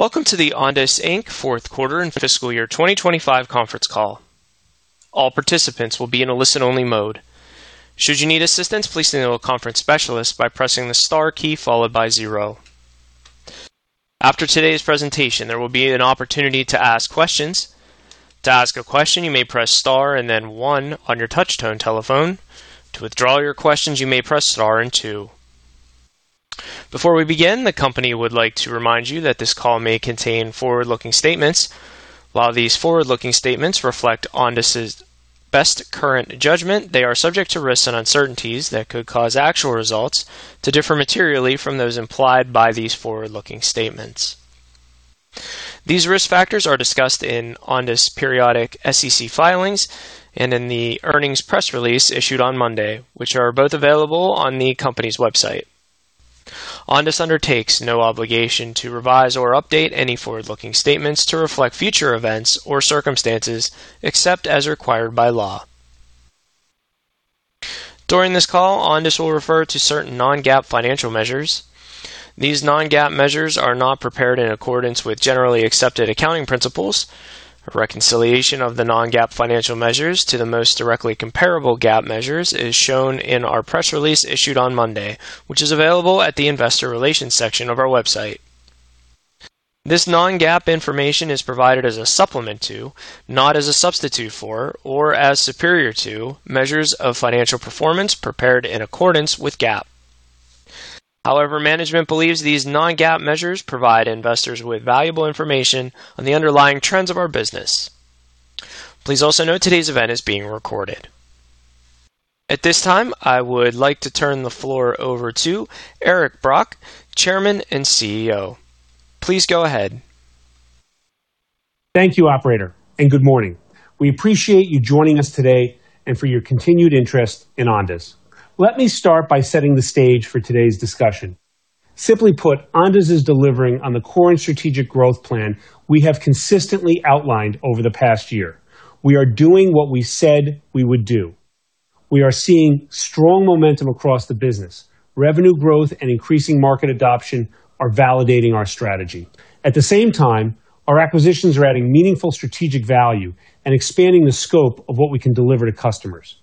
Welcome to the Ondas Inc. fourth quarter and fiscal year 2025 conference call. All participants will be in a listen-only mode. Should you need assistance, please signal a conference specialist by pressing the star key followed by 0. After today's presentation, there will be an opportunity to ask questions. To ask a question, you may press star and then one on your touchtone telephone. To withdraw your questions, you may press star and two. Before we begin, the company would like to remind you that this call may contain forward-looking statements. While these forward-looking statements reflect Ondas' best current judgment, they are subject to risks and uncertainties that could cause actual results to differ materially from those implied by these forward-looking statements. These risk factors are discussed in Ondas' periodic SEC filings and in the earnings press release issued on Monday, which are both available on the company's website. Ondas undertakes no obligation to revise or update any forward-looking statements to reflect future events or circumstances except as required by law. During this call, Ondas will refer to certain non-GAAP financial measures. These non-GAAP measures are not prepared in accordance with generally accepted accounting principles. A reconciliation of the non-GAAP financial measures to the most directly comparable GAAP measures is shown in our press release issued on Monday, which is available at the investor relations section of our website. This non-GAAP information is provided as a supplement to, not as a substitute for, or as superior to measures of financial performance prepared in accordance with GAAP. However, management believes these non-GAAP measures provide investors with valuable information on the underlying trends of our business. Please also note today's event is being recorded. At this time, I would like to turn the floor over to Eric Brock, Chairman and CEO. Please go ahead. Thank you, operator, and good morning. We appreciate you joining us today and for your continued interest in Ondas. Let me start by setting the stage for today's discussion. Simply put, Ondas is delivering on the core and strategic growth plan we have consistently outlined over the past year. We are doing what we said we would do. We are seeing strong momentum across the business. Revenue growth and increasing market adoption are validating our strategy. At the same time, our acquisitions are adding meaningful strategic value and expanding the scope of what we can deliver to customers.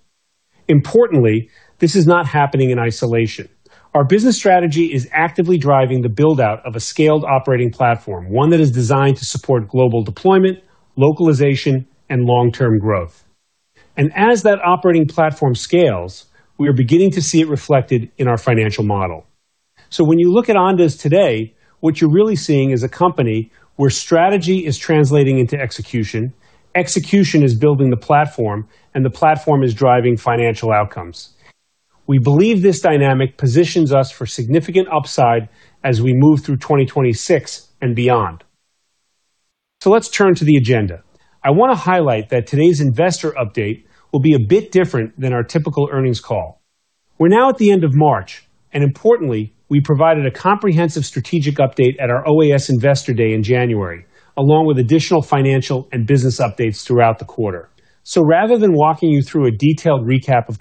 Importantly, this is not happening in isolation. Our business strategy is actively driving the build-out of a scaled operating platform, one that is designed to support global deployment, localization, and long-term growth. As that operating platform scales, we are beginning to see it reflected in our financial model. When you look at Ondas today, what you're really seeing is a company where strategy is translating into execution is building the platform, and the platform is driving financial outcomes. We believe this dynamic positions us for significant upside as we move through 2026 and beyond. Let's turn to the agenda. I want to highlight that today's investor update will be a bit different than our typical earnings call. We're now at the end of March, and importantly, we provided a comprehensive strategic update at our OAS Investor Day in January, along with additional financial and business updates throughout the quarter. Rather than walking you through a detailed recap of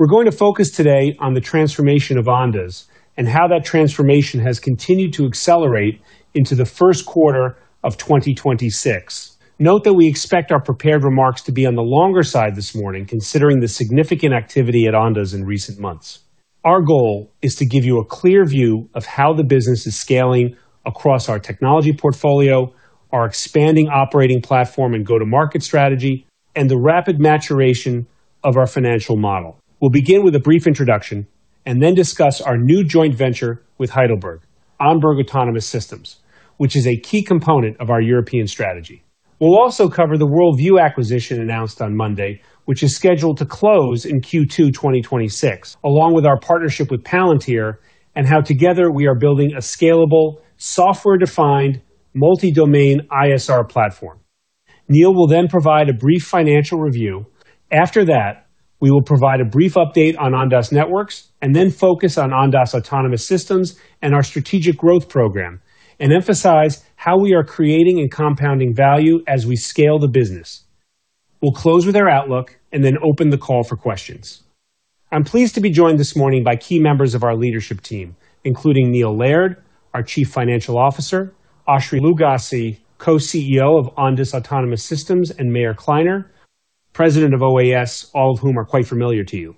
2025, we're going to focus today on the transformation of Ondas and how that transformation has continued to accelerate into the first quarter of 2026. Note that we expect our prepared remarks to be on the longer side this morning, considering the significant activity at Ondas in recent months. Our goal is to give you a clear view of how the business is scaling across our technology portfolio, our expanding operating platform and go-to-market strategy, and the rapid maturation of our financial model. We'll begin with a brief introduction and then discuss our new joint venture with Heidelberg, ONBERG Autonomous Systems, which is a key component of our European strategy. We'll also cover the World View acquisition announced on Monday, which is scheduled to close in Q2 2026, along with our partnership with Palantir and how together we are building a scalable, software-defined, multi-domain ISR platform. Neil will then provide a brief financial review. After that, we will provide a brief update on Ondas Networks and then focus on Ondas Autonomous Systems and our strategic growth program and emphasize how we are creating and compounding value as we scale the business. We'll close with our outlook and then open the call for questions. I'm pleased to be joined this morning by key members of our leadership team, including Neil Laird, our Chief Financial Officer, Oshri Lugassy, Co-CEO of Ondas Autonomous Systems, and Meir Kliner, President of OAS, all of whom are quite familiar to you.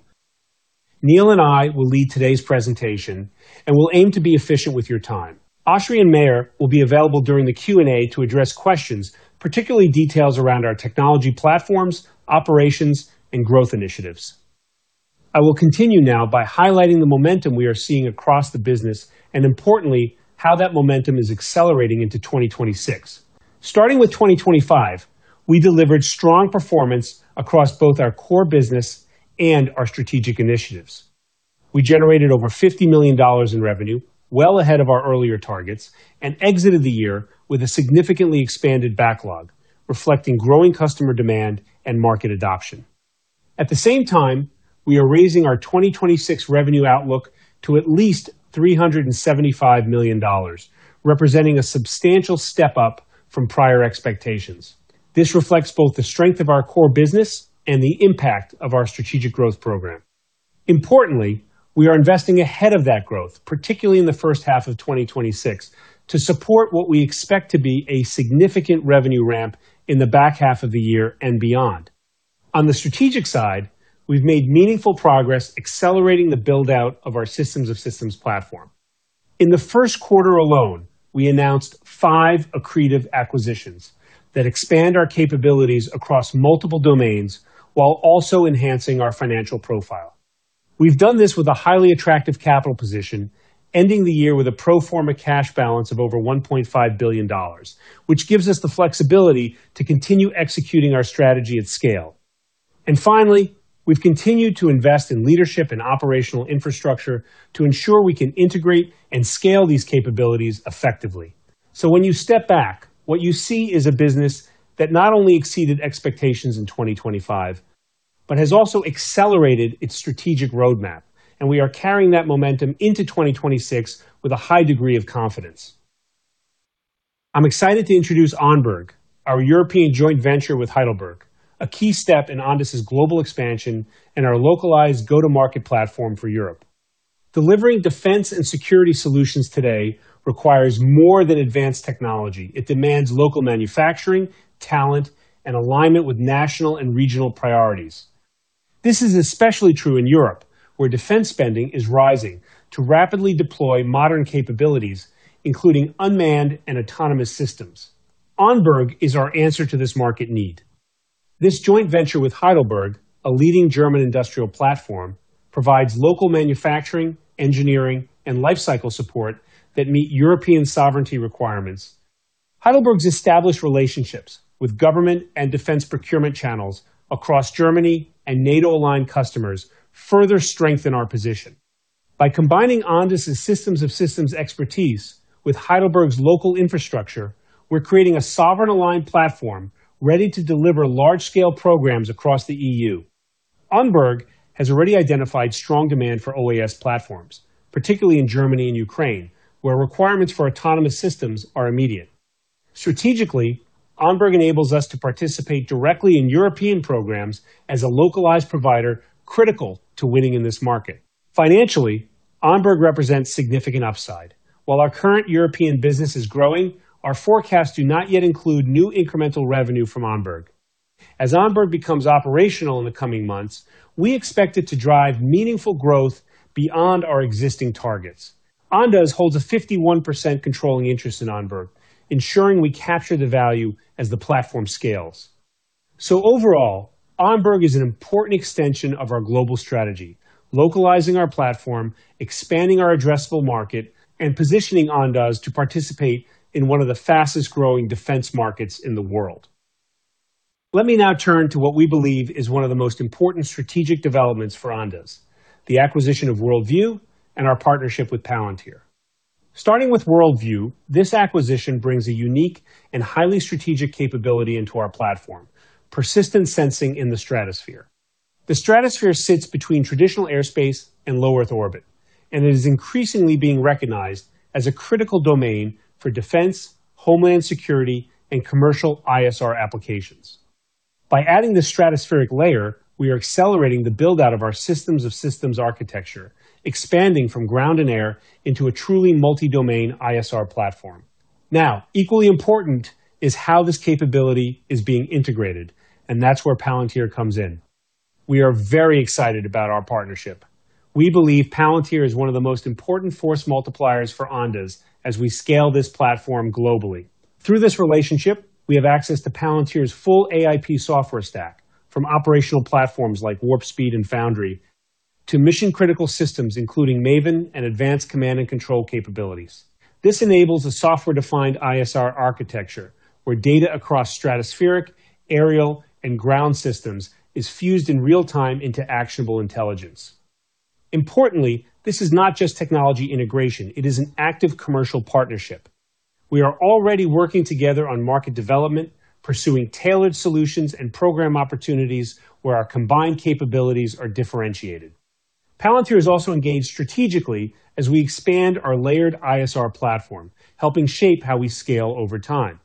Neil and I will lead today's presentation and will aim to be efficient with your time. Oshri and Meir will be available during the Q&A to address questions, particularly details around our technology platforms, operations, and growth initiatives. I will continue now by highlighting the momentum we are seeing across the business and importantly, how that momentum is accelerating into 2026. Starting with 2025, we delivered strong performance across both our core business and our strategic initiatives. We generated over $50 million in revenue well ahead of our earlier targets and exited the year with a significantly expanded backlog, reflecting growing customer demand and market adoption. At the same time, we are raising our 2026 revenue outlook to at least $375 million, representing a substantial step up from prior expectations. This reflects both the strength of our core business and the impact of our strategic growth program. Importantly, we are investing ahead of that growth, particularly in the first half of 2026, to support what we expect to be a significant revenue ramp in the back half of the year and beyond. On the strategic side, we've made meaningful progress accelerating the build-out of our systems of systems platform. In the first quarter alone, we announced five accretive acquisitions that expand our capabilities across multiple domains while also enhancing our financial profile. We've done this with a highly attractive capital position, ending the year with a pro forma cash balance of over $1.5 billion, which gives us the flexibility to continue executing our strategy at scale. Finally, we've continued to invest in leadership and operational infrastructure to ensure we can integrate and scale these capabilities effectively. When you step back, what you see is a business that not only exceeded expectations in 2025, but has also accelerated its strategic roadmap, and we are carrying that momentum into 2026 with a high degree of confidence. I'm excited to introduce ONBERG, our European joint venture with Heidelberg, a key step in Ondas' global expansion and our localized go-to-market platform for Europe. Delivering defense and security solutions today requires more than advanced technology. It demands local manufacturing, talent, and alignment with national and regional priorities. This is especially true in Europe, where defense spending is rising to rapidly deploy modern capabilities, including unmanned and autonomous systems. ONBERG is our answer to this market need. This joint venture with Heidelberg, a leading German industrial platform, provides local manufacturing, engineering, and lifecycle support that meet European sovereignty requirements. Heidelberg's established relationships with government and defense procurement channels across Germany and NATO-aligned customers further strengthen our position. By combining Ondas' systems of systems expertise with Heidelberg's local infrastructure, we're creating a sovereign-aligned platform ready to deliver large-scale programs across the EU. ONBERG has already identified strong demand for OAS platforms, particularly in Germany and Ukraine, where requirements for autonomous systems are immediate. Strategically, ONBERG enables us to participate directly in European programs as a localized provider critical to winning in this market. Financially, ONBERG represents significant upside. While our current European business is growing, our forecasts do not yet include new incremental revenue from ONBERG. As ONBERG becomes operational in the coming months, we expect it to drive meaningful growth beyond our existing targets. Ondas holds a 51% controlling interest in ONBERG, ensuring we capture the value as the platform scales. Overall, ONBERG is an important extension of our global strategy, localizing our platform, expanding our addressable market, and positioning Ondas to participate in one of the fastest-growing defense markets in the world. Let me now turn to what we believe is one of the most important strategic developments for Ondas, the acquisition of World View and our partnership with Palantir. Starting with World View, this acquisition brings a unique and highly strategic capability into our platform, persistent sensing in the stratosphere. The stratosphere sits between traditional airspace and low Earth orbit, and it is increasingly being recognized as a critical domain for defense, homeland security, and commercial ISR applications. By adding the stratospheric layer, we are accelerating the build-out of our systems of systems architecture, expanding from ground and air into a truly multi-domain ISR platform. Now, equally important is how this capability is being integrated, and that's where Palantir comes in. We are very excited about our partnership. We believe Palantir is one of the most important force multipliers for Ondas as we scale this platform globally. Through this relationship, we have access to Palantir's full AIP software stack from operational platforms like Warp Speed and Foundry to mission-critical systems, including Maven and advanced command and control capabilities. This enables a software-defined ISR architecture where data across stratospheric, aerial, and ground systems is fused in real time into actionable intelligence. Importantly, this is not just technology integration. It is an active commercial partnership. We are already working together on market development, pursuing tailored solutions and program opportunities where our combined capabilities are differentiated. Palantir is also engaged strategically as we expand our layered ISR platform, helping shape how we scale over time.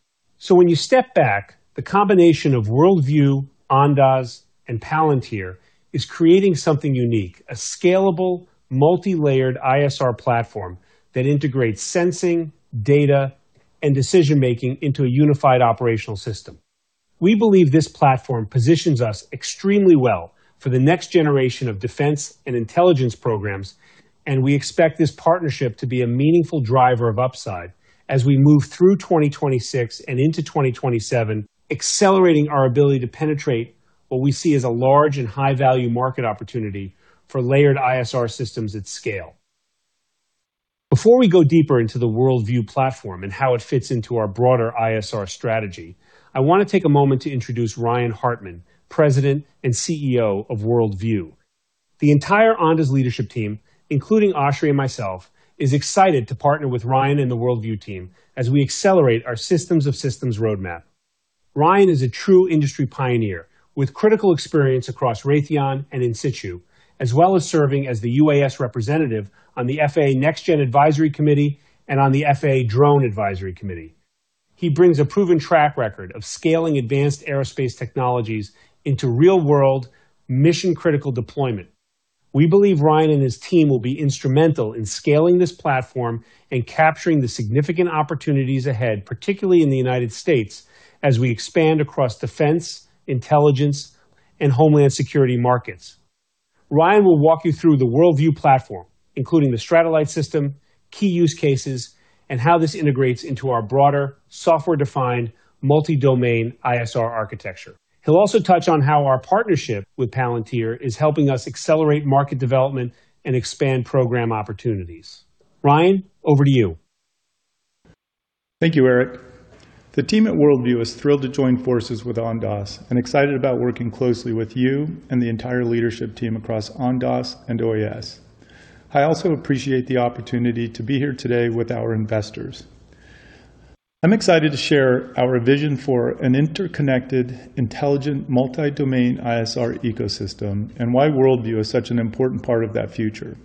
When you step back, the combination of World View, Ondas, and Palantir is creating something unique, a scalable, multi-layered ISR platform that integrates sensing, data, and decision-making into a unified operational system. We believe this platform positions us extremely well for the next generation of defense and intelligence programs, and we expect this partnership to be a meaningful driver of upside as we move through 2026 and into 2027, accelerating our ability to penetrate what we see as a large and high-value market opportunity for layered ISR systems at scale. Before we go deeper into the World View platform and how it fits into our broader ISR strategy, I want to take a moment to introduce Ryan Hartman, President and CEO of World View. The entire Ondas leadership team, including Oshri and myself, is excited to partner with Ryan and the World View team as we accelerate our systems of systems roadmap. Ryan is a true industry pioneer with critical experience across Raytheon and Insitu, as well as serving as the UAS representative on the FAA NextGen Advisory Committee and on the FAA Drone Advisory Committee. He brings a proven track record of scaling advanced aerospace technologies into real-world mission-critical deployment. We believe Ryan and his team will be instrumental in scaling this platform and capturing the significant opportunities ahead, particularly in the U.S., as we expand across defense, intelligence, and homeland security markets. Ryan will walk you through the World View platform, including the Stratollite system, key use cases, and how this integrates into our broader software-defined multi-domain ISR architecture. He'll also touch on how our partnership with Palantir is helping us accelerate market development and expand program opportunities. Ryan, over to you. Thank you, Eric. The team at World View is thrilled to join forces with Ondas and excited about working closely with you and the entire leadership team across Ondas and OAS. I also appreciate the opportunity to be here today with our investors. I'm excited to share our vision for an interconnected, intelligent, multi-domain ISR ecosystem and why World View is such an important part of that future.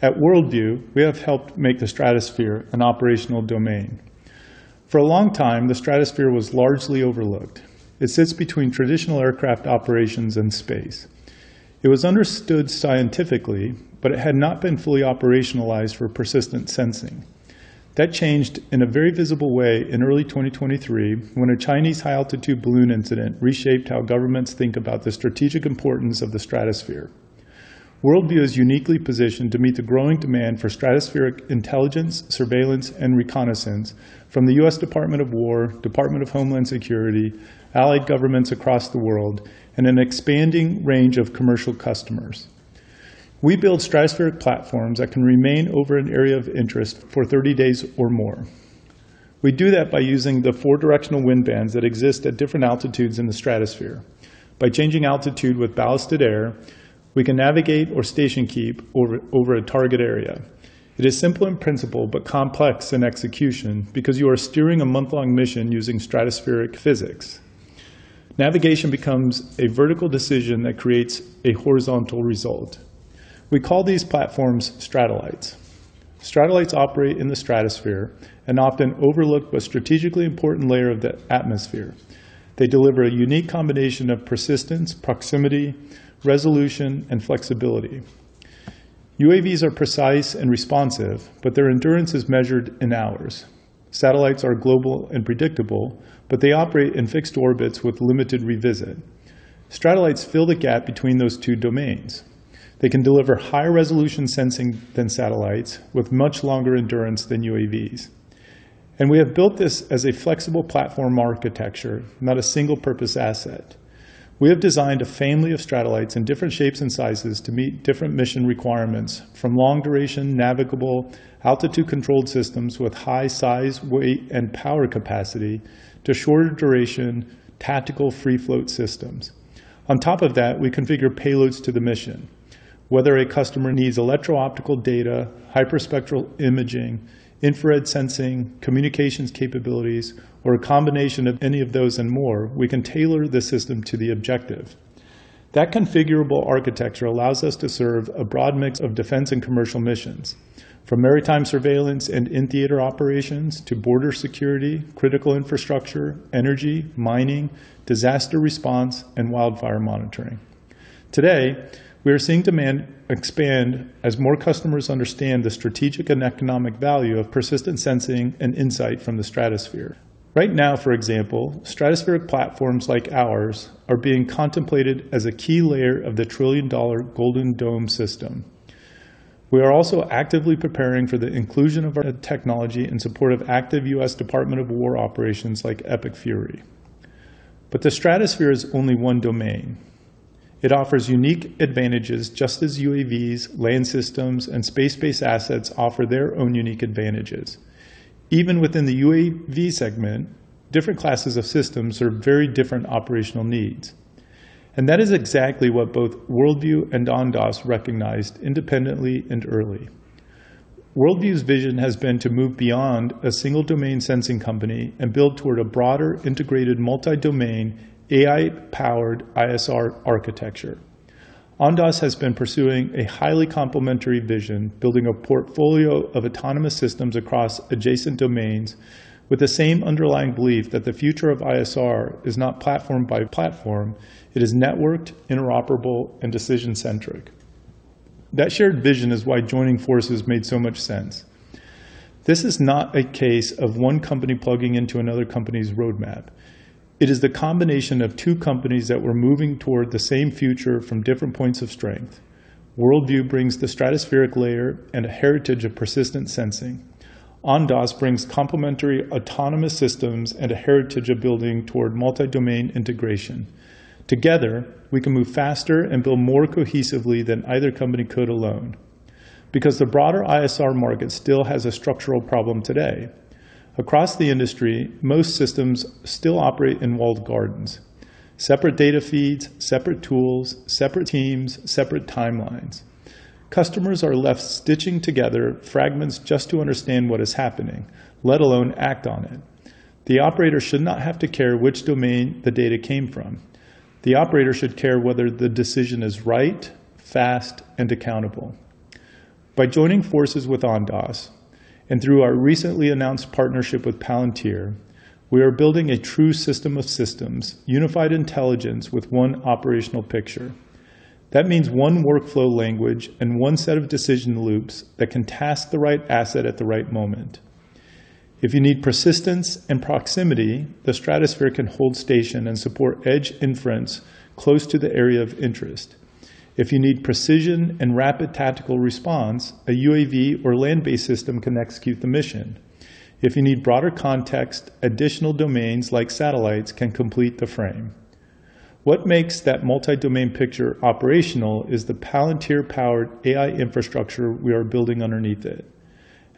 At World View, we have helped make the stratosphere an operational domain. For a long time, the stratosphere was largely overlooked. It sits between traditional aircraft operations and space. It was understood scientifically, but it had not been fully operationalized for persistent sensing. That changed in a very visible way in early 2023 when a Chinese high-altitude balloon incident reshaped how governments think about the strategic importance of the stratosphere. World View is uniquely positioned to meet the growing demand for stratospheric intelligence, surveillance, and reconnaissance from the US Department of Defense, Department of Homeland Security, allied governments across the world, and an expanding range of commercial customers. We build stratospheric platforms that can remain over an area of interest for 30 days or more. We do that by using the four directional wind bands that exist at different altitudes in the stratosphere. By changing altitude with ballasted air, we can navigate or station-keep over a target area. It is simple in principle but complex in execution because you are steering a month-long mission using stratospheric physics. Navigation becomes a vertical decision that creates a horizontal result. We call these platforms Stratollites. Stratollites operate in the stratosphere, an often overlooked but strategically important layer of the atmosphere. They deliver a unique combination of persistence, proximity, resolution, and flexibility. UAVs are precise and responsive, but their endurance is measured in hours. Satellites are global and predictable, but they operate in fixed orbits with limited revisit. Stratollites fill the gap between those two domains. They can deliver higher resolution sensing than satellites with much longer endurance than UAVs. We have built this as a flexible platform architecture, not a single-purpose asset. We have designed a family of Stratollites in different shapes and sizes to meet different mission requirements, from long-duration, navigable, altitude-controlled systems with high size, weight, and power capacity to shorter duration, tactical free float systems. On top of that, we configure payloads to the mission. Whether a customer needs electro-optical data, hyperspectral imaging, infrared sensing, communications capabilities, or a combination of any of those and more, we can tailor the system to the objective. That configurable architecture allows us to serve a broad mix of defense and commercial missions, from maritime surveillance and in-theater operations to border security, critical infrastructure, energy, mining, disaster response, and wildfire monitoring. Today, we are seeing demand expand as more customers understand the strategic and economic value of persistent sensing and insight from the stratosphere. Right now, for example, stratospheric platforms like ours are being contemplated as a key layer of the trillion-dollar Golden Dome system. We are also actively preparing for the inclusion of our technology in support of active U.S. Department of Defense operations like Operation Epic Fury. The stratosphere is only one domain. It offers unique advantages just as UAVs, land systems, and space-based assets offer their own unique advantages. Even within the UAV segment, different classes of systems serve very different operational needs. That is exactly what both World View and Ondas recognized independently and early. World View's vision has been to move beyond a single domain sensing company and build toward a broader, integrated, multi-domain, AI-powered ISR architecture. Ondas has been pursuing a highly complementary vision, building a portfolio of autonomous systems across adjacent domains with the same underlying belief that the future of ISR is not platform by platform, it is networked, interoperable, and decision-centric. That shared vision is why joining forces made so much sense. This is not a case of one company plugging into another company's roadmap. It is the combination of two companies that were moving toward the same future from different points of strength. World View brings the stratospheric layer and a heritage of persistent sensing. Ondas brings complementary autonomous systems and a heritage of building toward multi-domain integration. Together, we can move faster and build more cohesively than either company could alone. Because the broader ISR market still has a structural problem today. Across the industry, most systems still operate in walled gardens. Separate data feeds, separate tools, separate teams, separate timelines. Customers are left stitching together fragments just to understand what is happening, let alone act on it. The operator should not have to care which domain the data came from. The operator should care whether the decision is right, fast and accountable. By joining forces with Ondas and through our recently announced partnership with Palantir, we are building a true system of systems, unified intelligence with one operational picture. That means one workflow language and one set of decision loops that can task the right asset at the right moment. If you need persistence and proximity, the stratosphere can hold station and support edge inference close to the area of interest. If you need precision and rapid tactical response, a UAV or land-based system can execute the mission. If you need broader context, additional domains like satellites can complete the frame. What makes that multi-domain picture operational is the Palantir-powered AI infrastructure we are building underneath it.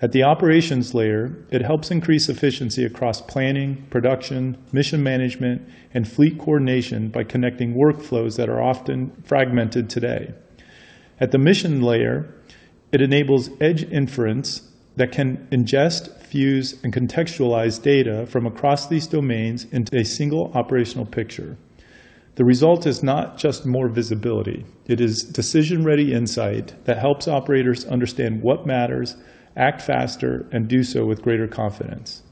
At the operations layer, it helps increase efficiency across planning, production, mission management, and fleet coordination by connecting workflows that are often fragmented today. At the mission layer, it enables edge inference that can ingest, fuse, and contextualize data from across these domains into a single operational picture. The result is not just more visibility, it is decision-ready insight that helps operators understand what matters, act faster, and do so with greater confidence.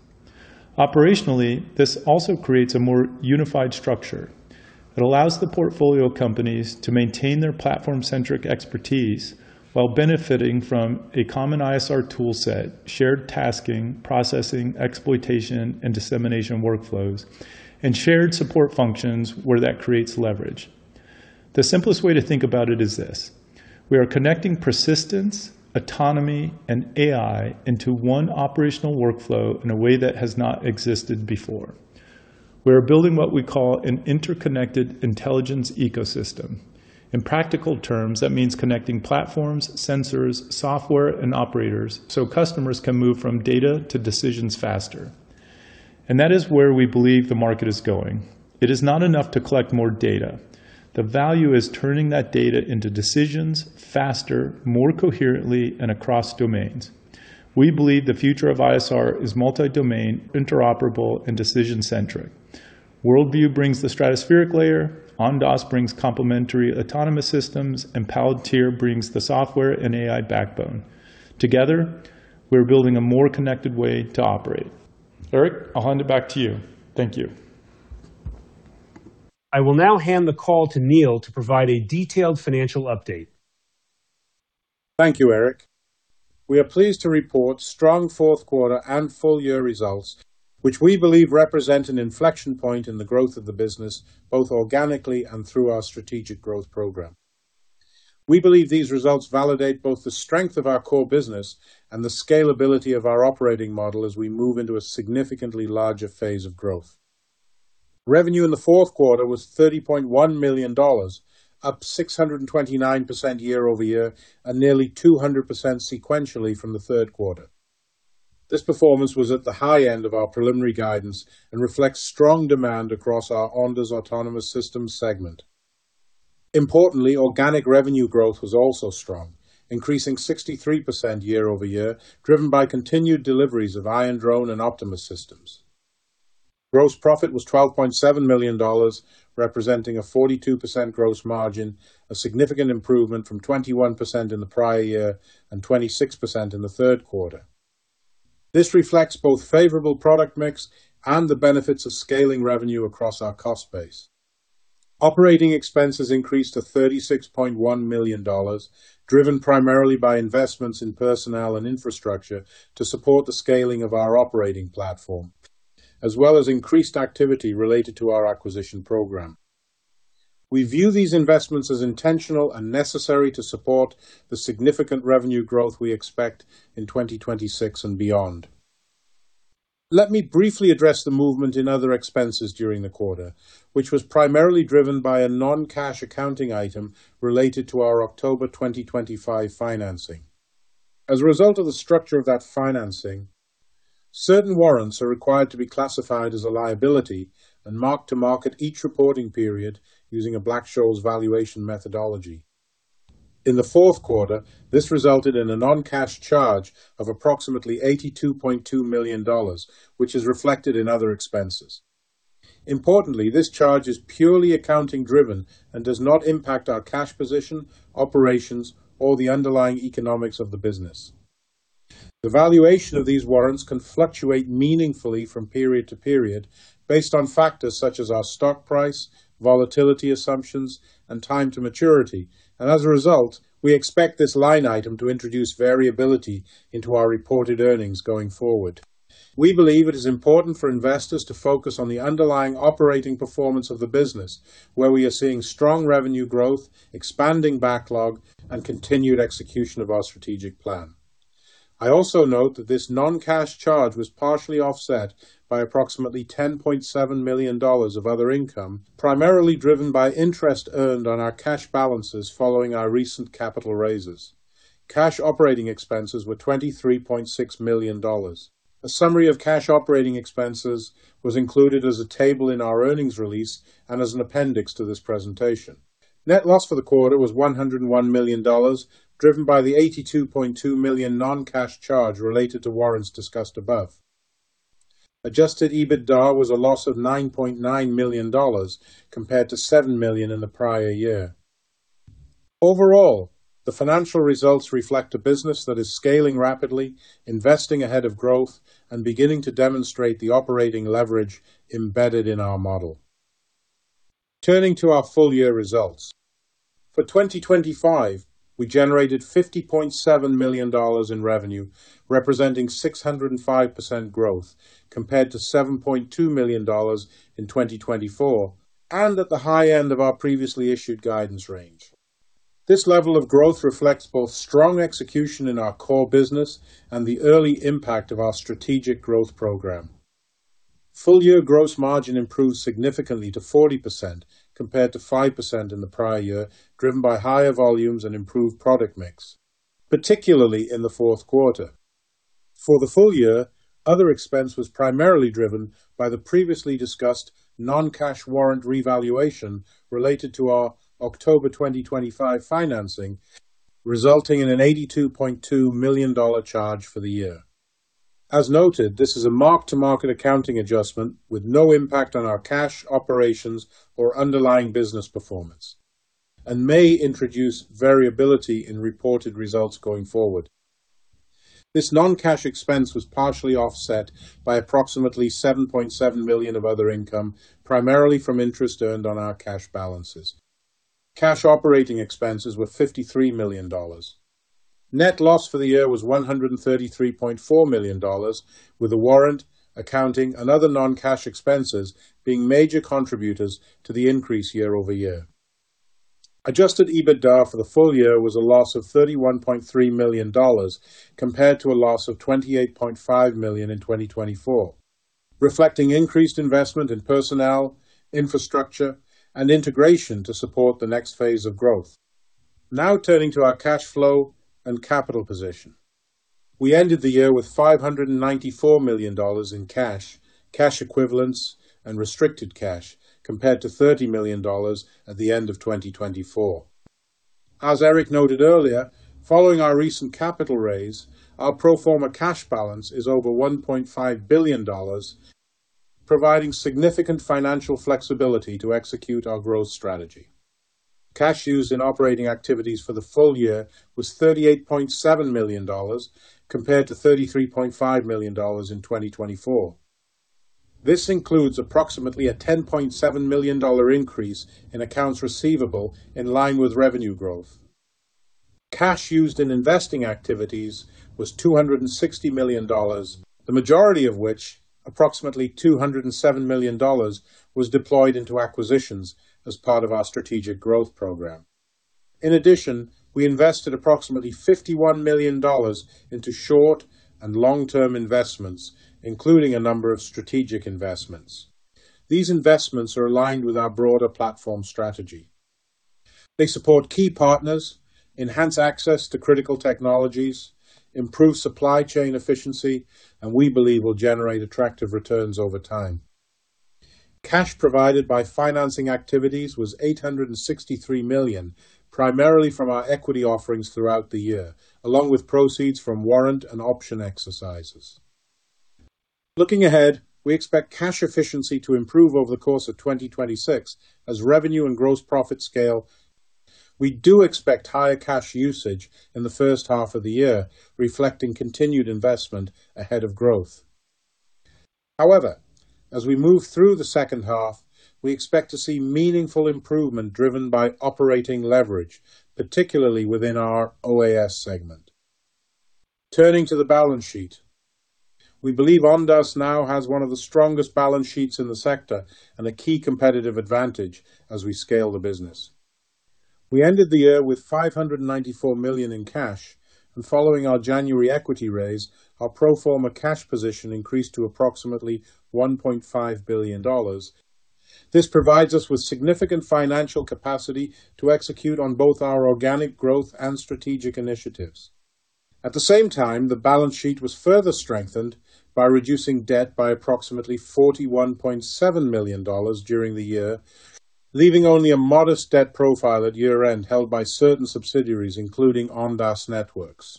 Operationally, this also creates a more unified structure that allows the portfolio companies to maintain their platform-centric expertise while benefiting from a common ISR tool set, shared tasking, processing, exploitation, and dissemination workflows, and shared support functions where that creates leverage. The simplest way to think about it is this. We are connecting persistence, autonomy, and AI into one operational workflow in a way that has not existed before. We are building what we call an interconnected intelligence ecosystem. In practical terms, that means connecting platforms, sensors, software, and operators so customers can move from data to decisions faster. That is where we believe the market is going. It is not enough to collect more data. The value is turning that data into decisions faster, more coherently, and across domains. We believe the future of ISR is multi-domain, interoperable, and decision-centric. World View brings the stratospheric layer, Ondas brings complementary autonomous systems, and Palantir brings the software and AI backbone. Together, we're building a more connected way to operate. Eric, I'll hand it back to you. Thank you. I will now hand the call to Neil to provide a detailed financial update. Thank you, Eric. We are pleased to report strong fourth quarter and full-year results, which we believe represent an inflection point in the growth of the business, both organically and through our strategic growth program. We believe these results validate both the strength of our core business and the scalability of our operating model as we move into a significantly larger phase of growth. Revenue in the fourth quarter was $30.1 million, up 629% year-over-year, and nearly 200% sequentially from the third quarter. This performance was at the high end of our preliminary guidance and reflects strong demand across our Ondas Autonomous Systems segment. Importantly, organic revenue growth was also strong, increasing 63% year-over-year, driven by continued deliveries of Iron Drone and Optimus systems. Gross profit was $12.7 million, representing a 42% gross margin, a significant improvement from 21% in the prior year and 26% in the third quarter. This reflects both favorable product mix and the benefits of scaling revenue across our cost base. Operating expenses increased to $36.1 million, driven primarily by investments in personnel and infrastructure to support the scaling of our operating platform, as well as increased activity related to our acquisition program. We view these investments as intentional and necessary to support the significant revenue growth we expect in 2026 and beyond. Let me briefly address the movement in other expenses during the quarter, which was primarily driven by a non-cash accounting item related to our October 2025 financing. As a result of the structure of that financing, certain warrants are required to be classified as a liability and marked to market each reporting period using a Black-Scholes valuation methodology. In the fourth quarter, this resulted in a non-cash charge of approximately $82.2 million, which is reflected in other expenses. Importantly, this charge is purely accounting driven and does not impact our cash position, operations or the underlying economics of the business. The valuation of these warrants can fluctuate meaningfully from period to period based on factors such as our stock price, volatility assumptions, and time to maturity. As a result, we expect this line item to introduce variability into our reported earnings going forward. We believe it is important for investors to focus on the underlying operating performance of the business, where we are seeing strong revenue growth, expanding backlog, and continued execution of our strategic plan. I also note that this non-cash charge was partially offset by approximately $10.7 million of other income, primarily driven by interest earned on our cash balances following our recent capital raises. Cash operating expenses were $23.6 million. A summary of cash operating expenses was included as a table in our earnings release and as an appendix to this presentation. Net loss for the quarter was $101 million, driven by the $82.2 million non-cash charge related to warrants discussed above. Adjusted EBITDA was a loss of $9.9 million compared to $7 million in the prior year. Overall, the financial results reflect a business that is scaling rapidly, investing ahead of growth, and beginning to demonstrate the operating leverage embedded in our model. Turning to our full year results. For 2025, we generated $50.7 million in revenue, representing 605% growth compared to $7.2 million in 2024, and at the high end of our previously issued guidance range. This level of growth reflects both strong execution in our core business and the early impact of our strategic growth program. Full year gross margin improved significantly to 40% compared to 5% in the prior year, driven by higher volumes and improved product mix, particularly in the fourth quarter. For the full year, other expense was primarily driven by the previously discussed non-cash warrant revaluation related to our October 2025 financing, resulting in a $82.2 million charge for the year. As noted, this is a mark-to-market accounting adjustment with no impact on our cash operations or underlying business performance, and may introduce variability in reported results going forward. This non-cash expense was partially offset by approximately $7.7 million of other income, primarily from interest earned on our cash balances. Cash operating expenses were $53 million. Net loss for the year was $133.4 million, with the warrant accounting and other non-cash expenses being major contributors to the increase year-over-year. Adjusted EBITDA for the full year was a loss of $31.3 million compared to a loss of $28.5 million in 2024, reflecting increased investment in personnel, infrastructure, and integration to support the next phase of growth. Now turning to our cash flow and capital position. We ended the year with $594 million in cash equivalents and restricted cash compared to $30 million at the end of 2024. As Eric noted earlier, following our recent capital raise, our pro forma cash balance is over $1.5 billion, providing significant financial flexibility to execute our growth strategy. Cash used in operating activities for the full year was $38.7 million compared to $33.5 million in 2024. This includes approximately a $10.7 million increase in accounts receivable in line with revenue growth. Cash used in investing activities was $260 million, the majority of which approximately $207 million, was deployed into acquisitions as part of our strategic growth program. In addition, we invested approximately $51 million into short- and long-term investments, including a number of strategic investments. These investments are aligned with our broader platform strategy. They support key partners, enhance access to critical technologies, improve supply chain efficiency, and, we believe, will generate attractive returns over time. Cash provided by financing activities was $863 million, primarily from our equity offerings throughout the year, along with proceeds from warrant and option exercises. Looking ahead, we expect cash efficiency to improve over the course of 2026 as revenue and gross profit scale. We do expect higher cash usage in the first half of the year, reflecting continued investment ahead of growth. However, as we move through the second half, we expect to see meaningful improvement driven by operating leverage, particularly within our OAS segment. Turning to the balance sheet. We believe Ondas now has one of the strongest balance sheets in the sector and a key competitive advantage as we scale the business. We ended the year with $594 million in cash, and following our January equity raise, our pro forma cash position increased to approximately $1.5 billion. This provides us with significant financial capacity to execute on both our organic growth and strategic initiatives. At the same time, the balance sheet was further strengthened by reducing debt by approximately $41.7 million during the year, leaving only a modest debt profile at year-end held by certain subsidiaries, including Ondas Networks.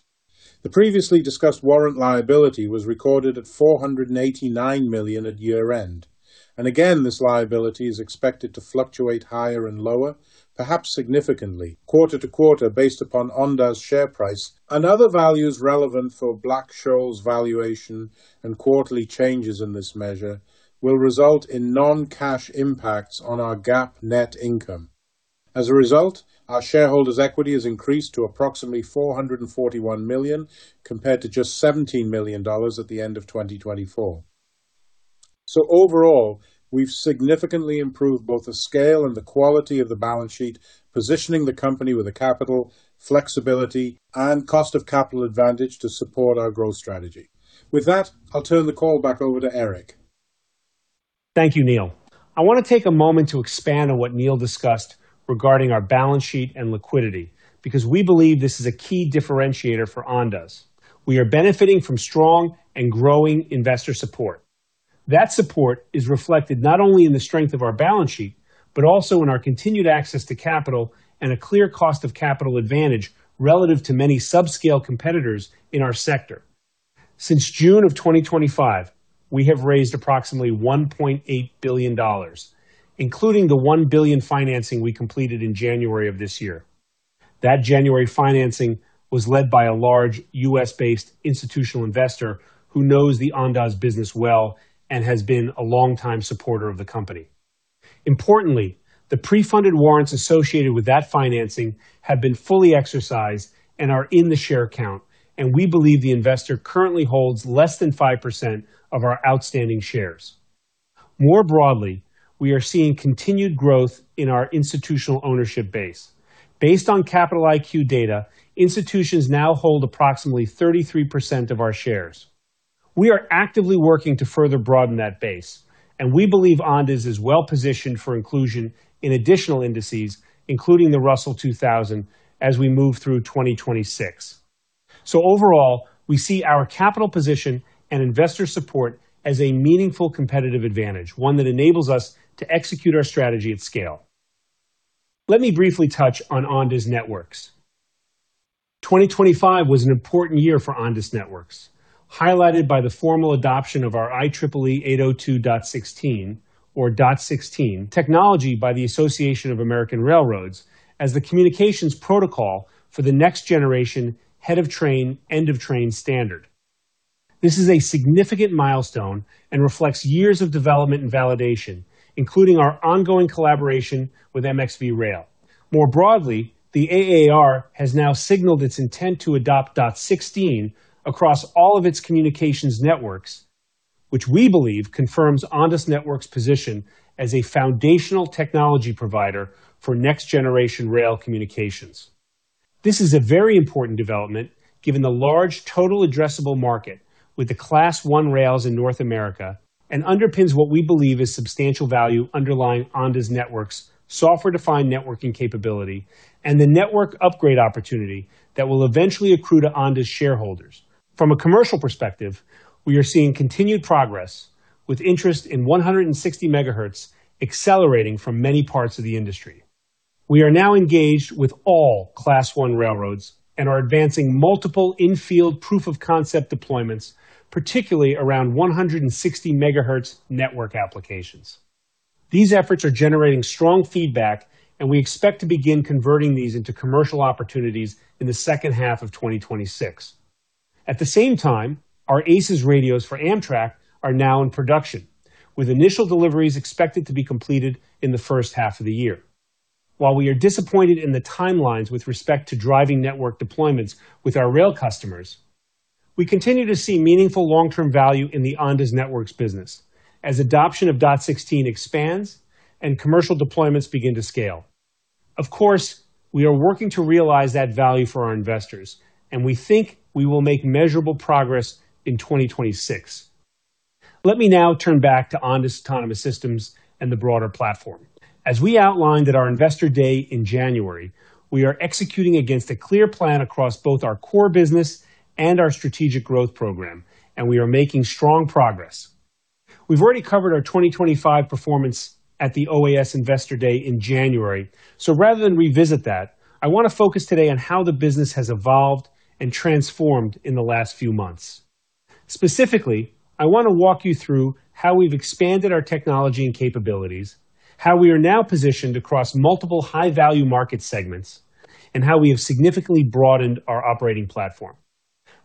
The previously discussed warrant liability was recorded at $489 million at year-end. Again, this liability is expected to fluctuate higher and lower, perhaps significantly quarter-to-quarter, based upon Ondas share price. Other values relevant for Black-Scholes valuation and quarterly changes in this measure will result in non-cash impacts on our GAAP net income. As a result, our shareholders' equity has increased to approximately $441 million, compared to just $17 million at the end of 2024. Overall, we've significantly improved both the scale and the quality of the balance sheet, positioning the company with a capital flexibility and cost of capital advantage to support our growth strategy. With that, I'll turn the call back over to Eric. Thank you, Neil. I want to take a moment to expand on what Neil discussed regarding our balance sheet and liquidity, because we believe this is a key differentiator for Ondas. We are benefiting from strong and growing investor support. That support is reflected not only in the strength of our balance sheet but also in our continued access to capital and a clear cost of capital advantage relative to many subscale competitors in our sector. Since June 2025, we have raised approximately $1.8 billion, including the $1 billion financing we completed in January of this year. That January financing was led by a large U.S.-based institutional investor who knows the Ondas business well and has been a longtime supporter of the company. Importantly, the pre-funded warrants associated with that financing have been fully exercised and are in the share count, and we believe the investor currently holds less than 5% of our outstanding shares. More broadly, we are seeing continued growth in our institutional ownership base. Based on Capital IQ data, institutions now hold approximately 33% of our shares. We are actively working to further broaden that base, and we believe Ondas is well-positioned for inclusion in additional indices, including the Russell 2000, as we move through 2026. Overall, we see our capital position and investor support as a meaningful competitive advantage, one that enables us to execute our strategy at scale. Let me briefly touch on Ondas Networks. 2025 was an important year for Ondas Networks, highlighted by the formal adoption of our IEEE 802.16 or dot16 technology by the Association of American Railroads as the communications protocol for the next generation head of train, end of train standard. This is a significant milestone and reflects years of development and validation, including our ongoing collaboration with MxV Rail. More broadly, the AAR has now signaled its intent to adopt dot16 across all of its communications networks, which we believe confirms Ondas Networks position as a foundational technology provider for next generation rail communications. This is a very important development given the large total addressable market with the Class I rails in North America and underpins what we believe is substantial value underlying Ondas Networks' software-defined networking capability and the network upgrade opportunity that will eventually accrue to Ondas shareholders. From a commercial perspective, we are seeing continued progress with interest in 160 MHz accelerating from many parts of the industry. We are now engaged with all Class I railroads and are advancing multiple in-field proof-of-concept deployments, particularly around 160 MHz network applications. These efforts are generating strong feedback, and we expect to begin converting these into commercial opportunities in the second half of 2026. At the same time, our ACES radios for Amtrak are now in production, with initial deliveries expected to be completed in the first half of the year. While we are disappointed in the timelines with respect to driving network deployments with our rail customers, we continue to see meaningful long-term value in the Ondas Networks business as adoption of dot 16 expands and commercial deployments begin to scale. Of course, we are working to realize that value for our investors, and we think we will make measurable progress in 2026. Let me now turn back to Ondas Autonomous Systems and the broader platform. As we outlined at our Investor Day in January, we are executing against a clear plan across both our core business and our strategic growth program, and we are making strong progress. We've already covered our 2025 performance at the OAS Investor Day in January. Rather than revisit that, I want to focus today on how the business has evolved and transformed in the last few months. Specifically, I want to walk you through how we've expanded our technology and capabilities, how we are now positioned across multiple high-value market segments, and how we have significantly broadened our operating platform.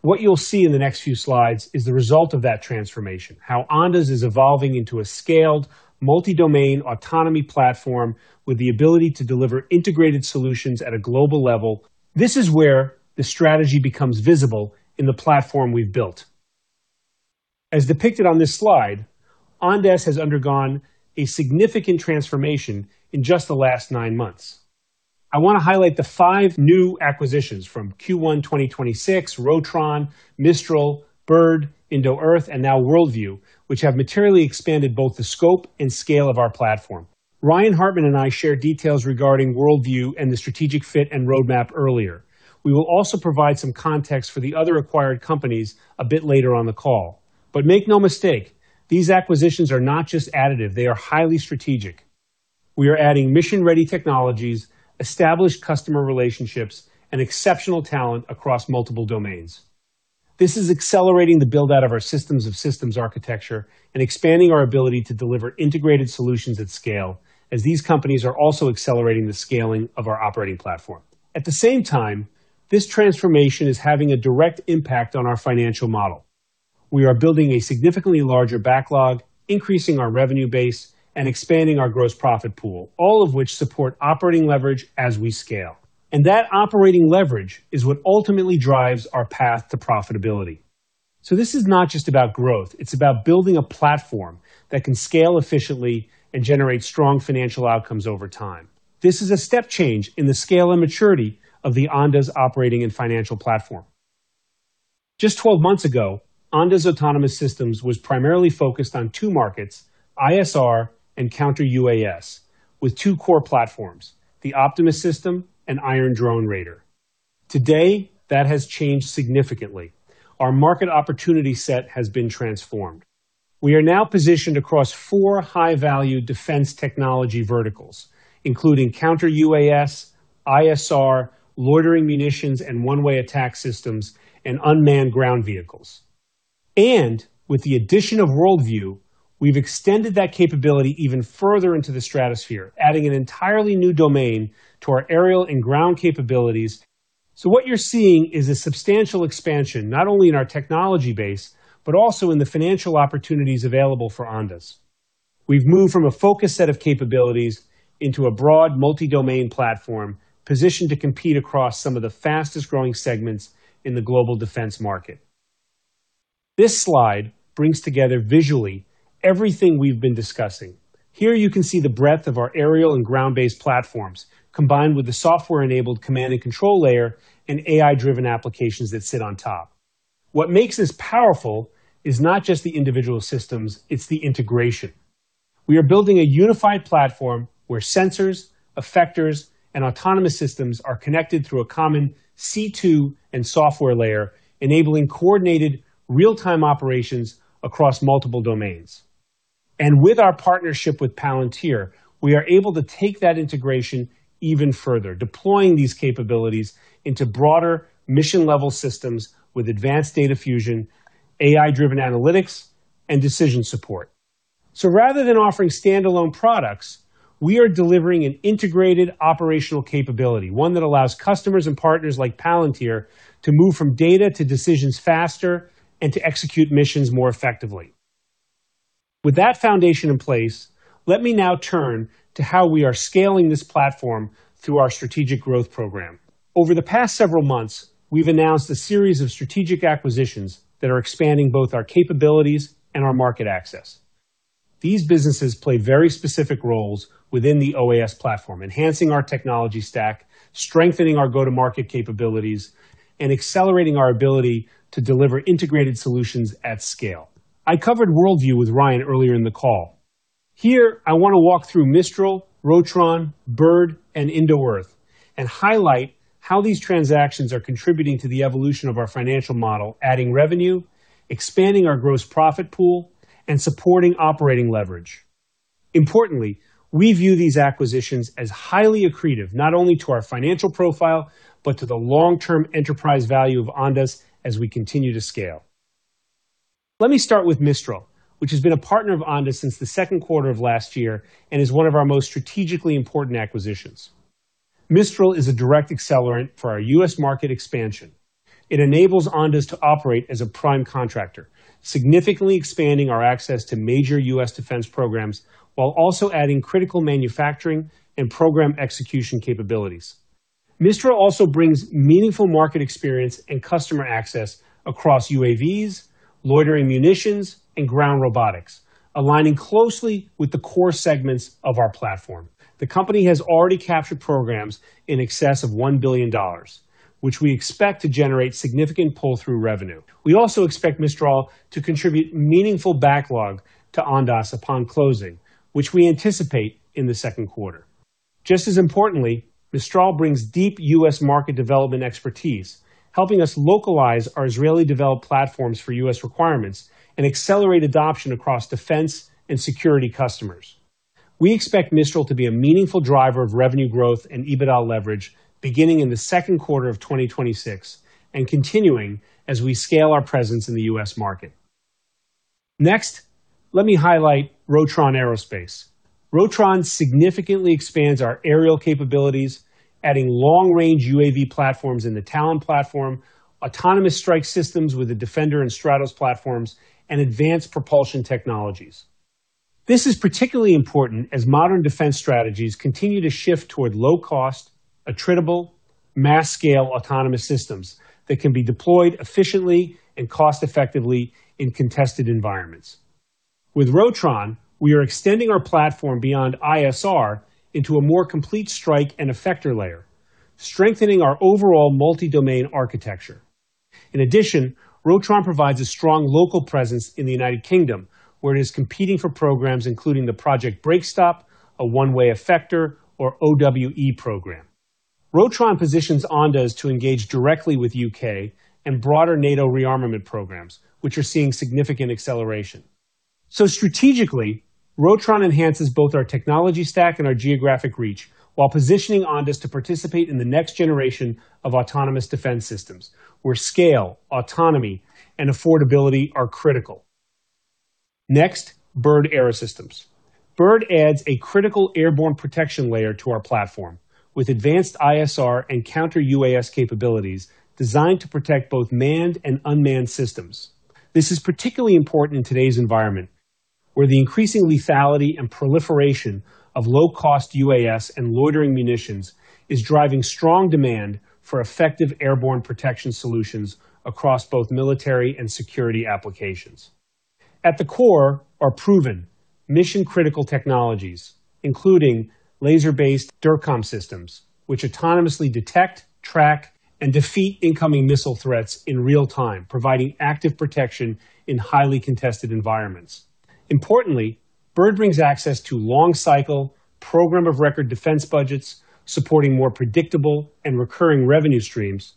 What you'll see in the next few slides is the result of that transformation, how Ondas is evolving into a scaled, multi-domain autonomy platform with the ability to deliver integrated solutions at a global level. This is where the strategy becomes visible in the platform we've built. As depicted on this slide, Ondas has undergone a significant transformation in just the last nine months. I want to highlight the five new acquisitions from Q1 2026, Rotron Aerospace, Mistral Inc., BIRD Aerosystems, Indo Earth, and now World View, which have materially expanded both the scope and scale of our platform. Ryan Hartman and I shared details regarding World View and the strategic fit and roadmap earlier. We will also provide some context for the other acquired companies a bit later on the call. Make no mistake, these acquisitions are not just additive, they are highly strategic. We are adding mission-ready technologies, established customer relationships, and exceptional talent across multiple domains. This is accelerating the build-out of our systems of systems architecture and expanding our ability to deliver integrated solutions at scale as these companies are also accelerating the scaling of our operating platform. At the same time, this transformation is having a direct impact on our financial model. We are building a significantly larger backlog, increasing our revenue base, and expanding our gross profit pool, all of which support operating leverage as we scale. That operating leverage is what ultimately drives our path to profitability. This is not just about growth, it's about building a platform that can scale efficiently and generate strong financial outcomes over time. This is a step change in the scale and maturity of the Ondas operating and financial platform. Just 12 months ago, Ondas Autonomous Systems was primarily focused on two markets, ISR and counter-UAS, with two core platforms, the Optimus System and Iron Drone Raider. Today, that has changed significantly. Our market opportunity set has been transformed. We are now positioned across four high-value defense technology verticals, including counter-UAS, ISR, loitering munitions, and one-way attack systems, and unmanned ground vehicles. With the addition of World View, we've extended that capability even further into the stratosphere, adding an entirely new domain to our aerial and ground capabilities. What you're seeing is a substantial expansion, not only in our technology base, but also in the financial opportunities available for Ondas. We've moved from a focused set of capabilities into a broad multi-domain platform positioned to compete across some of the fastest-growing segments in the global defense market. This slide brings together visually everything we've been discussing. Here you can see the breadth of our aerial and ground-based platforms, combined with the software-enabled command and control layer and AI-driven applications that sit on top. What makes this powerful is not just the individual systems, it's the integration. We are building a unified platform where sensors, effectors, and autonomous systems are connected through a common C2 and software layer, enabling coordinated real-time operations across multiple domains. With our partnership with Palantir, we are able to take that integration even further, deploying these capabilities into broader mission-level systems with advanced data fusion, AI-driven analytics, and decision support. Rather than offering standalone products, we are delivering an integrated operational capability, one that allows customers and partners like Palantir to move from data to decisions faster and to execute missions more effectively. With that foundation in place, let me now turn to how we are scaling this platform through our strategic growth program. Over the past several months, we've announced a series of strategic acquisitions that are expanding both our capabilities and our market access. These businesses play very specific roles within the OAS platform, enhancing our technology stack, strengthening our go-to-market capabilities, and accelerating our ability to deliver integrated solutions at scale. I covered World View with Ryan earlier in the call. Here, I wanna walk through Mistral, Rotron, BIRD, and Indo Earth Moving, and highlight how these transactions are contributing to the evolution of our financial model, adding revenue, expanding our gross profit pool, and supporting operating leverage. Importantly, we view these acquisitions as highly accretive, not only to our financial profile, but to the long-term enterprise value of Ondas as we continue to scale. Let me start with Mistral, which has been a partner of Ondas since the second quarter of last year and is one of our most strategically important acquisitions. Mistral is a direct accelerant for our U.S. market expansion. It enables Ondas to operate as a prime contractor, significantly expanding our access to major U.S. defense programs while also adding critical manufacturing and program execution capabilities. Mistral also brings meaningful market experience and customer access across UAVs, loitering munitions, and ground robotics, aligning closely with the core segments of our platform. The company has already captured programs in excess of $1 billion, which we expect to generate significant pull-through revenue. We also expect Mistral to contribute meaningful backlog to Ondas upon closing, which we anticipate in the second quarter. Just as importantly, Mistral brings deep U.S. market development expertise, helping us localize our Israeli-developed platforms for U.S. requirements and accelerate adoption across defense and security customers. We expect Mistral to be a meaningful driver of revenue growth and EBITDA leverage beginning in the second quarter of 2026 and continuing as we scale our presence in the U.S. market. Next, let me highlight Rotron Aerospace. Rotron significantly expands our aerial capabilities, adding long-range UAV platforms in the Talon platform, autonomous strike systems with the Defender and Stratos platforms, and advanced propulsion technologies. This is particularly important as modern defense strategies continue to shift toward low-cost, attritable, mass-scale autonomous systems that can be deployed efficiently and cost-effectively in contested environments. With Rotron, we are extending our platform beyond ISR into a more complete strike and effector layer, strengthening our overall multi-domain architecture. Rotron provides a strong local presence in the U.K., where it is competing for programs including Project BREAKSTOP, a one-way effector or OWE program. Rotron positions Ondas to engage directly with U.K. and broader NATO rearmament programs, which are seeing significant acceleration. Strategically, Rotron enhances both our technology stack and our geographic reach while positioning Ondas to participate in the next generation of autonomous defense systems, where scale, autonomy, and affordability are critical. Next, BIRD Aerosystems. BIRD adds a critical airborne protection layer to our platform with advanced ISR and counter-UAS capabilities designed to protect both manned and unmanned systems. This is particularly important in today's environment, where the increasing lethality and proliferation of low-cost UAS and loitering munitions is driving strong demand for effective airborne protection solutions across both military and security applications. At the core are proven mission-critical technologies, including laser-based DIRCM systems, which autonomously detect, track, and defeat incoming missile threats in real time, providing active protection in highly contested environments. Importantly, Bird brings access to long-cycle program of record defense budgets supporting more predictable and recurring revenue streams,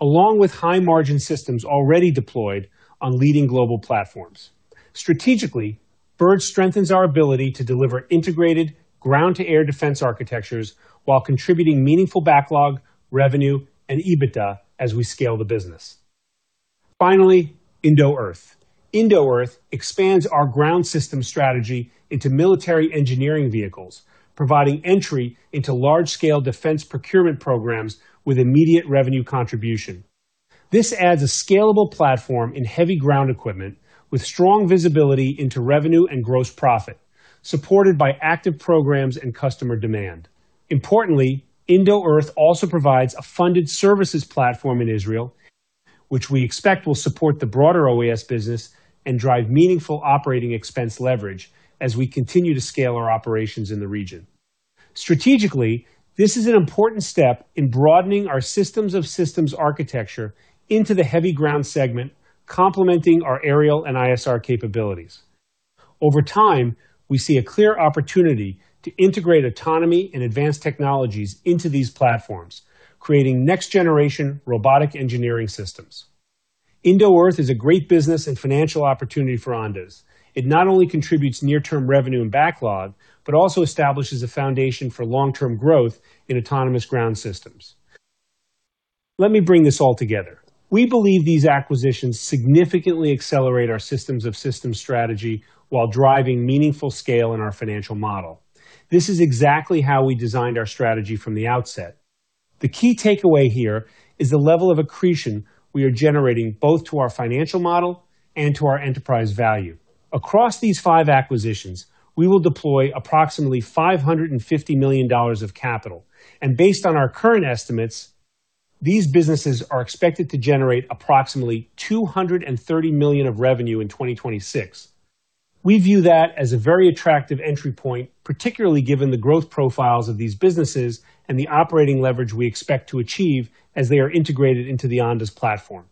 along with high-margin systems already deployed on leading global platforms. Strategically, Bird strengthens our ability to deliver integrated ground-to-air defense architectures while contributing meaningful backlog, revenue, and EBITDA as we scale the business. Finally, Indo Earth Moving expands our ground system strategy into military engineering vehicles, providing entry into large-scale defense procurement programs with immediate revenue contribution. This adds a scalable platform in heavy ground equipment with strong visibility into revenue and gross profit, supported by active programs and customer demand. Importantly, Indo Earth Moving also provides a funded services platform in Israel, which we expect will support the broader OAS business and drive meaningful operating expense leverage as we continue to scale our operations in the region. Strategically, this is an important step in broadening our systems of systems architecture into the heavy ground segment, complementing our aerial and ISR capabilities. Over time, we see a clear opportunity to integrate autonomy and advanced technologies into these platforms, creating next-generation robotic engineering systems. Indo Earth Moving is a great business and financial opportunity for Ondas. It not only contributes near-term revenue and backlog but also establishes a foundation for long-term growth in autonomous ground systems. Let me bring this all together. We believe these acquisitions significantly accelerate our systems of systems strategy while driving meaningful scale in our financial model. This is exactly how we designed our strategy from the outset. The key takeaway here is the level of accretion we are generating both to our financial model and to our enterprise value. Across these five acquisitions, we will deploy approximately $550 million of capital. Based on our current estimates, these businesses are expected to generate approximately $230 million of revenue in 2026. We view that as a very attractive entry point, particularly given the growth profiles of these businesses and the operating leverage we expect to achieve as they are integrated into the Ondas platform.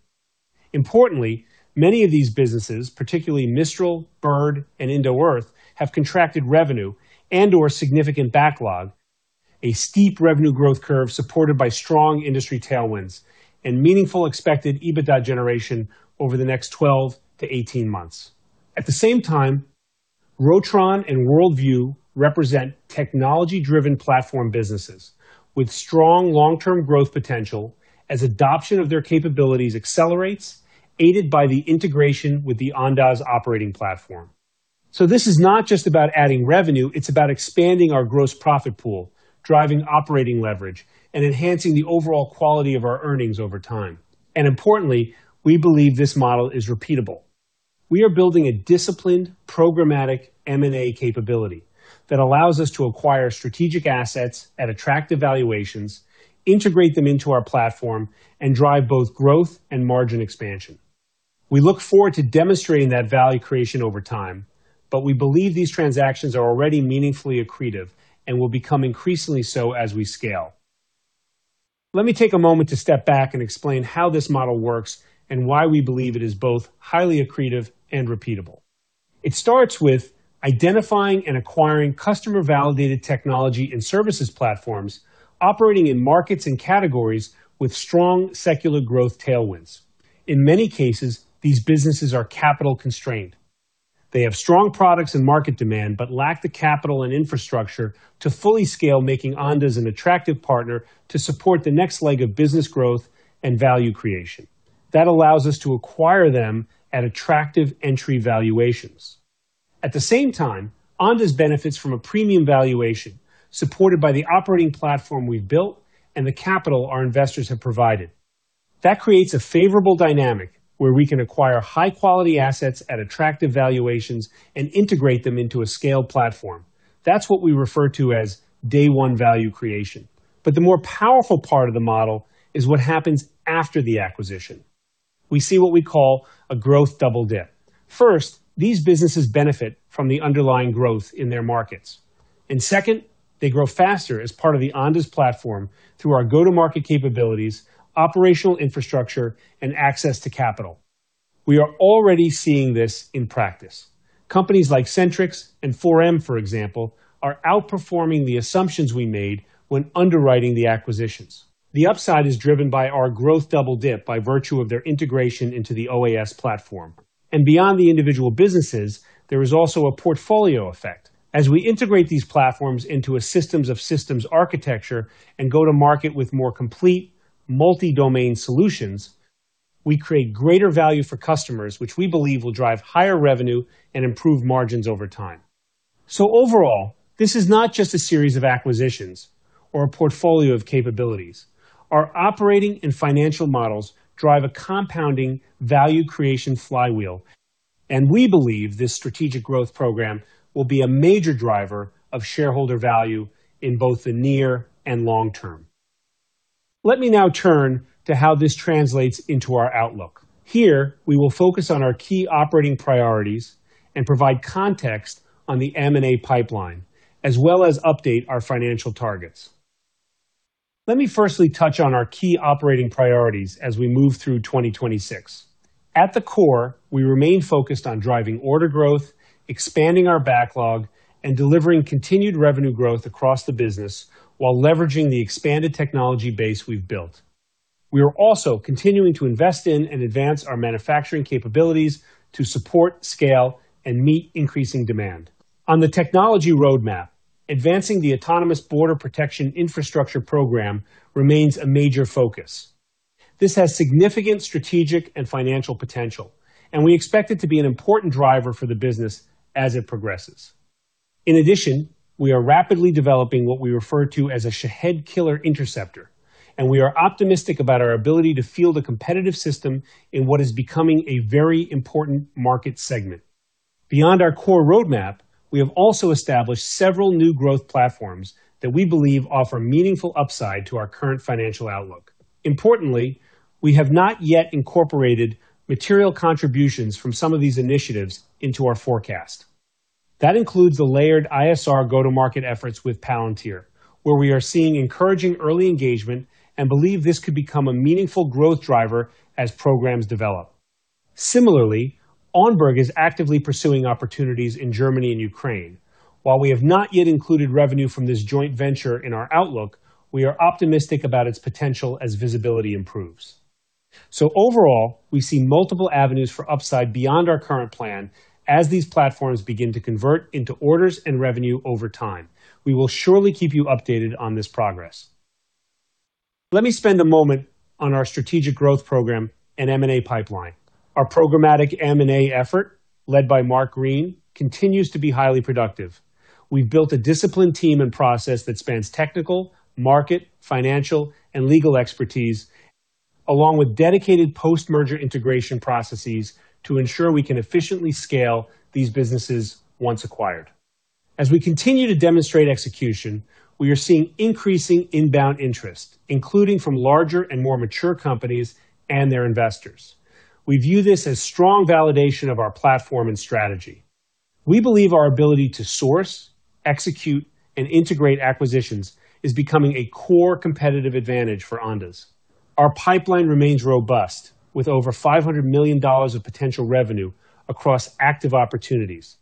Importantly, many of these businesses, particularly Mistral, Bird, and Indo Earth, have contracted revenue and/or significant backlog, a steep revenue growth curve supported by strong industry tailwinds and meaningful expected EBITDA generation over the next 12 to 18 months. At the same time, Rotron and World View represent technology-driven platform businesses with strong long-term growth potential as adoption of their capabilities accelerates, aided by the integration with the Ondas operating platform. This is not just about adding revenue, it's about expanding our gross profit pool, driving operating leverage, and enhancing the overall quality of our earnings over time. Importantly, we believe this model is repeatable. We are building a disciplined, programmatic M&A capability that allows us to acquire strategic assets at attractive valuations, integrate them into our platform, and drive both growth and margin expansion. We look forward to demonstrating that value creation over time, but we believe these transactions are already meaningfully accretive and will become increasingly so as we scale. Let me take a moment to step back and explain how this model works and why we believe it is both highly accretive and repeatable. It starts with identifying and acquiring customer-validated technology and services platforms operating in markets and categories with strong secular growth tailwinds. In many cases, these businesses are capital constrained. They have strong products and market demand but lack the capital and infrastructure to fully scale, making Ondas an attractive partner to support the next leg of business growth and value creation. That allows us to acquire them at attractive entry valuations. At the same time, Ondas benefits from a premium valuation supported by the operating platform we've built and the capital our investors have provided. That creates a favorable dynamic where we can acquire high-quality assets at attractive valuations and integrate them into a scaled platform. That's what we refer to as day one value creation. The more powerful part of the model is what happens after the acquisition. We see what we call a growth double dip. First, these businesses benefit from the underlying growth in their markets. Second, they grow faster as part of the Ondas platform through our go-to-market capabilities, operational infrastructure, and access to capital. We are already seeing this in practice. Companies like Centrix and Forem, for example, are outperforming the assumptions we made when underwriting the acquisitions. The upside is driven by our growth double dip by virtue of their integration into the OAS platform. Beyond the individual businesses, there is also a portfolio effect. As we integrate these platforms into a systems of systems architecture and go to market with more complete multi-domain solutions, we create greater value for customers which we believe will drive higher revenue and improve margins over time. Overall, this is not just a series of acquisitions or a portfolio of capabilities. Our operating and financial models drive a compounding value creation flywheel, and we believe this strategic growth program will be a major driver of shareholder value in both the near and long term. Let me now turn to how this translates into our outlook. Here, we will focus on our key operating priorities and provide context on the M&A pipeline, as well as update our financial targets. Let me firstly touch on our key operating priorities as we move through 2026. At the core, we remain focused on driving order growth, expanding our backlog, and delivering continued revenue growth across the business while leveraging the expanded technology base we've built. We are also continuing to invest in and advance our manufacturing capabilities to support, scale, and meet increasing demand. On the technology roadmap, advancing the autonomous border protection infrastructure program remains a major focus. This has significant strategic and financial potential, and we expect it to be an important driver for the business as it progresses. In addition, we are rapidly developing what we refer to as a Shahed killer interceptor, and we are optimistic about our ability to field a competitive system in what is becoming a very important market segment. Beyond our core roadmap, we have also established several new growth platforms that we believe offer meaningful upside to our current financial outlook. Importantly, we have not yet incorporated material contributions from some of these initiatives into our forecast. That includes the layered ISR go-to-market efforts with Palantir, where we are seeing encouraging early engagement and believe this could become a meaningful growth driver as programs develop. Similarly, ONBERG is actively pursuing opportunities in Germany and Ukraine. While we have not yet included revenue from this joint venture in our outlook, we are optimistic about its potential as visibility improves. Overall, we see multiple avenues for upside beyond our current plan as these platforms begin to convert into orders and revenue over time. We will surely keep you updated on this progress. Let me spend a moment on our strategic growth program and M&A pipeline. Our programmatic M&A effort, led by Mark Green, continues to be highly productive. We've built a disciplined team and process that spans technical, market, financial, and legal expertise, along with dedicated post-merger integration processes to ensure we can efficiently scale these businesses once acquired. As we continue to demonstrate execution, we are seeing increasing inbound interest, including from larger and more mature companies and their investors. We view this as strong validation of our platform and strategy. We believe our ability to source, execute, and integrate acquisitions is becoming a core competitive advantage for Ondas. Our pipeline remains robust with over $500 million of potential revenue across active opportunities.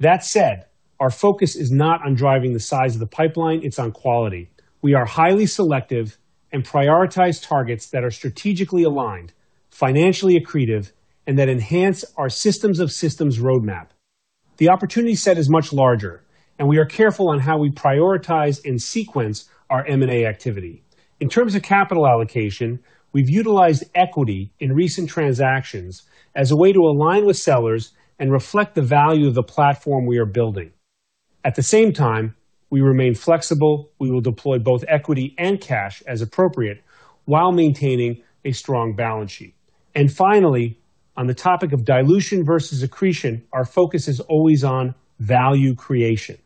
That said, our focus is not on driving the size of the pipeline, it's on quality. We are highly selective and prioritize targets that are strategically aligned, financially accretive, and that enhance our systems of systems roadmap. The opportunity set is much larger, and we are careful on how we prioritize and sequence our M&A activity. In terms of capital allocation, we've utilized equity in recent transactions as a way to align with sellers and reflect the value of the platform we are building. At the same time, we remain flexible. We will deploy both equity and cash as appropriate while maintaining a strong balance sheet. Finally, on the topic of dilution versus accretion, our focus is always on value creation.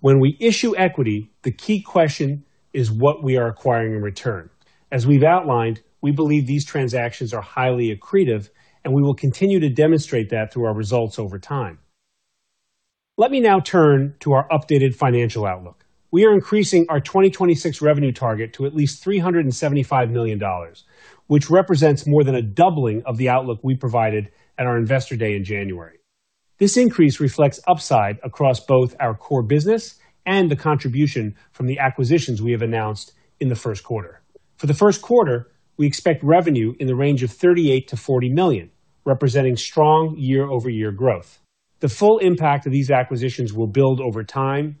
When we issue equity, the key question is what we are acquiring in return. As we've outlined, we believe these transactions are highly accretive, and we will continue to demonstrate that through our results over time. Let me now turn to our updated financial outlook. We are increasing our 2026 revenue target to at least $375 million, which represents more than a doubling of the outlook we provided at our Investor Day in January. This increase reflects upside across both our core business and the contribution from the acquisitions we have announced in the first quarter. For the first quarter, we expect revenue in the range of $38 million-$40 million, representing strong year-over-year growth. The full impact of these acquisitions will build over time.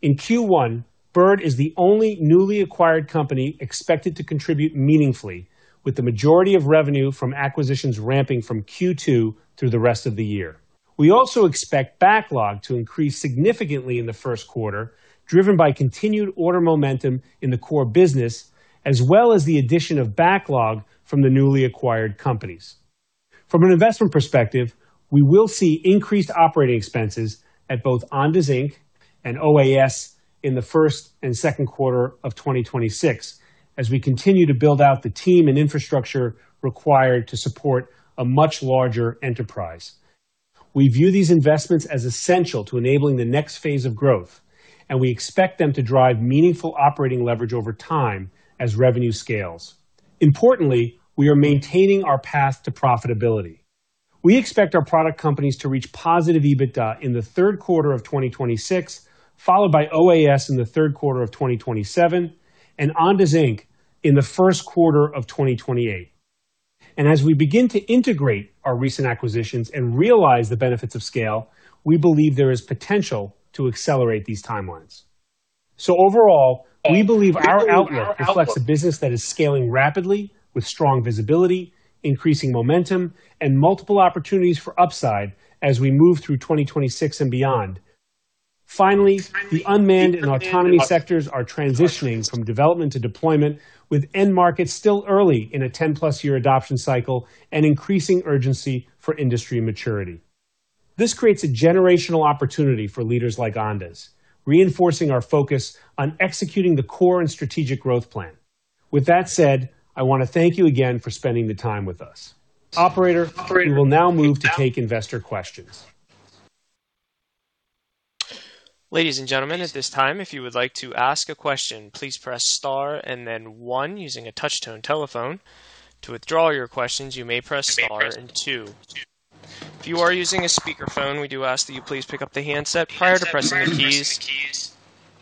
In Q1, BIRD is the only newly acquired company expected to contribute meaningfully with the majority of revenue from acquisitions ramping from Q2 through the rest of the year. We also expect backlog to increase significantly in the first quarter, driven by continued order momentum in the core business, as well as the addition of backlog from the newly acquired companies. From an investment perspective, we will see increased operating expenses at both Ondas Inc. and OAS in the first and second quarter of 2026 as we continue to build out the team and infrastructure required to support a much larger enterprise. We view these investments as essential to enabling the next phase of growth, and we expect them to drive meaningful operating leverage over time as revenue scales. Importantly, we are maintaining our path to profitability. We expect our product companies to reach positive EBITDA in the third quarter of 2026, followed by OAS in the third quarter of 2027 and Ondas Inc. in the first quarter of 2028. As we begin to integrate our recent acquisitions and realize the benefits of scale, we believe there is potential to accelerate these timelines. Overall, we believe our outlook reflects a business that is scaling rapidly with strong visibility, increasing momentum, and multiple opportunities for upside as we move through 2026 and beyond. Finally, the unmanned and autonomy sectors are transitioning from development to deployment, with end markets still early in a 10+ year adoption cycle and increasing urgency for industry maturity. This creates a generational opportunity for leaders like Ondas, reinforcing our focus on executing the core and strategic growth plan. With that said, I want to thank you again for spending the time with us. Operator, we will now move to take investor questions. Ladies and gentlemen, at this time, if you would like to ask a question, please press star and then one using a touch-tone telephone. To withdraw your questions, you may press star and two. If you are using a speakerphone, we do ask that you please pick up the handset prior to pressing the keys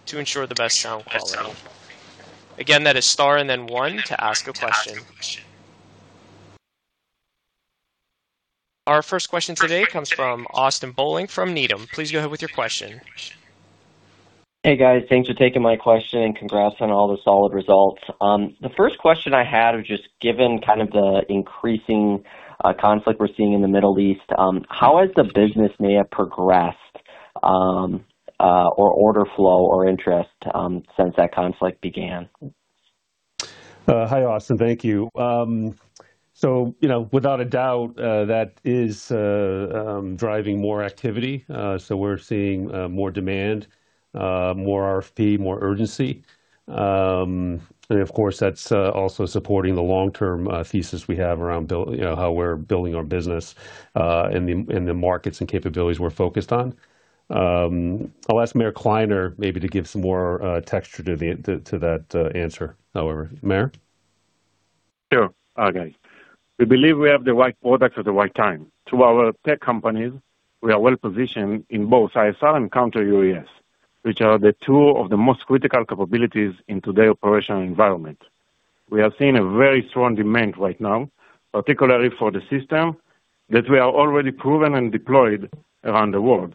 to ensure the best sound quality. Again, that is star and then one to ask a question. Our first question today comes from Austin Bohlig from Needham. Please go ahead with your question. Hey, guys. Thanks for taking my question and congrats on all the solid results. The first question I had was just given kind of the increasing conflict we're seeing in the Middle East, how has the business may have progressed or order flow or interest since that conflict began? Hi, Austin. Thank you. You know, without a doubt, that is driving more activity. We're seeing more demand, more RFP, more urgency. Of course, that's also supporting the long-term thesis we have around you know, how we're building our business in the markets and capabilities we're focused on. I'll ask Meir Kliner maybe to give some more texture to that answer, however. Meir. Sure. Okay. We believe we have the right products at the right time. To our tech companies, we are well positioned in both ISR and counter-UAS, which are two of the most critical capabilities in today's operational environment. We have seen a very strong demand right now, particularly for the system that we are already proven and deployed around the world.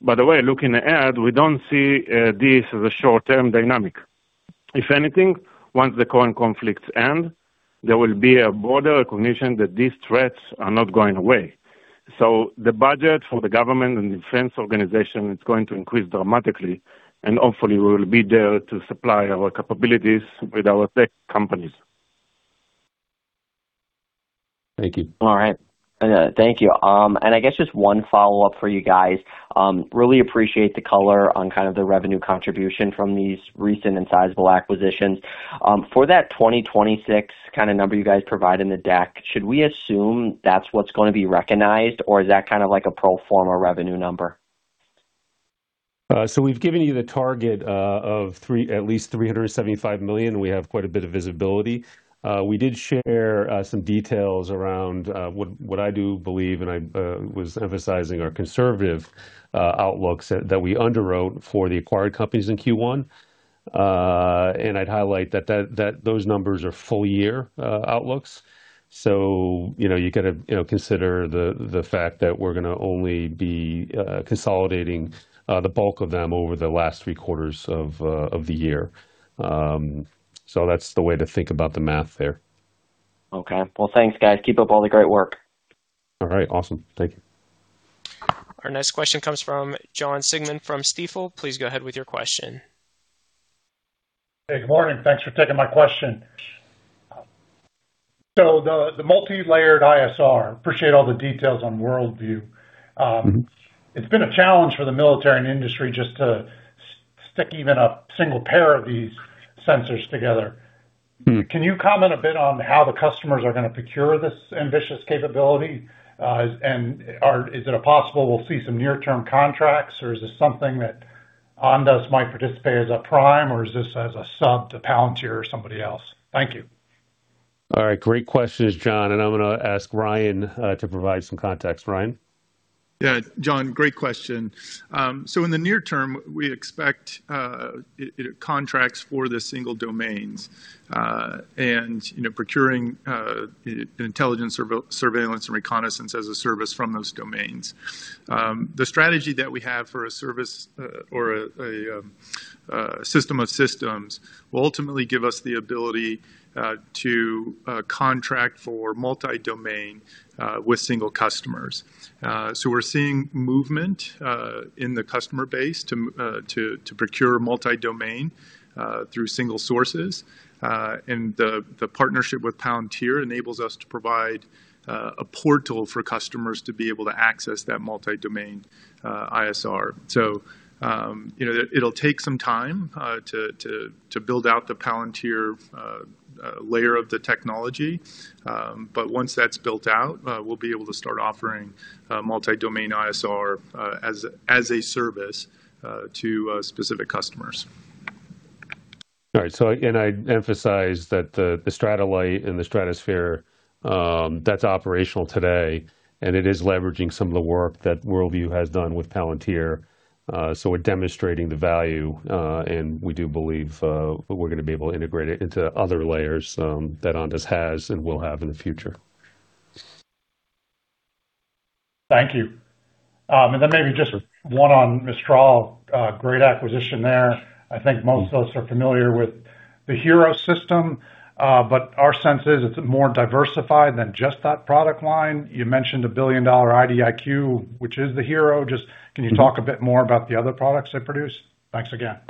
By the way, looking ahead, we don't see this as a short-term dynamic. If anything, once the current conflicts end, there will be a broader recognition that these threats are not going away. The budget for the government and defense organization is going to increase dramatically, and hopefully we will be there to supply our capabilities with our tech companies. Thank you. All right. Thank you. I guess just one follow-up for you guys. Really appreciate the color on kind of the revenue contribution from these recent and sizable acquisitions. For that 2026 kinda number you guys provide in the deck, should we assume that's what's gonna be recognized, or is that kind of like a pro forma revenue number? We've given you the target of at least $375 million. We have quite a bit of visibility. We did share some details around what I do believe, and I was emphasizing our conservative outlooks that those numbers are full year outlooks. You know, you gotta, you know, consider the fact that we're gonna only be consolidating the bulk of them over the last three quarters of the year. That's the way to think about the math there. Okay. Well, thanks, guys. Keep up all the great work. All right. Awesome. Thank you. Our next question comes from Jonathan Siegmann from Stifel. Please go ahead with your question. Hey, good morning. Thanks for taking my question. The multilayered ISR, appreciate all the details on World View. Mm-hmm. It's been a challenge for the military and industry just to stick even a single pair of these sensors together. Mm. Can you comment a bit on how the customers are gonna procure this ambitious capability? Is it possible we'll see some near-term contracts, or is this something that Ondas might participate as a prime, or is this as a sub to Palantir or somebody else? Thank you. All right. Great questions, John, and I'm gonna ask Ryan to provide some context. Ryan. Yeah. John, great question. In the near term, we expect contracts for the single domains. You know, procuring intelligence surveillance and reconnaissance as a service from those domains. The strategy that we have for a service or a system of systems will ultimately give us the ability to contract for multi-domain with single customers. We're seeing movement in the customer base to procure multi-domain through single sources. The partnership with Palantir enables us to provide a portal for customers to be able to access that multi-domain ISR. You know, it'll take some time to build out the Palantir layer of the technology. Once that's built out, we'll be able to start offering multi-domain ISR as a service to specific customers. All right. Again, I emphasize that the Stratollite and the stratosphere, that's operational today. It is leveraging some of the work that World View has done with Palantir. We're demonstrating the value, and we do believe we're gonna be able to integrate it into other layers that Ondas has and will have in the future. Thank you. Maybe just one on Mistral. Great acquisition there. I think most of us are familiar with the Hero system. Our sense is it's more diversified than just that product line. You mentioned a $1 billion IDIQ, which is the Hero. Just can you talk a bit more about the other products they produce? Thanks again.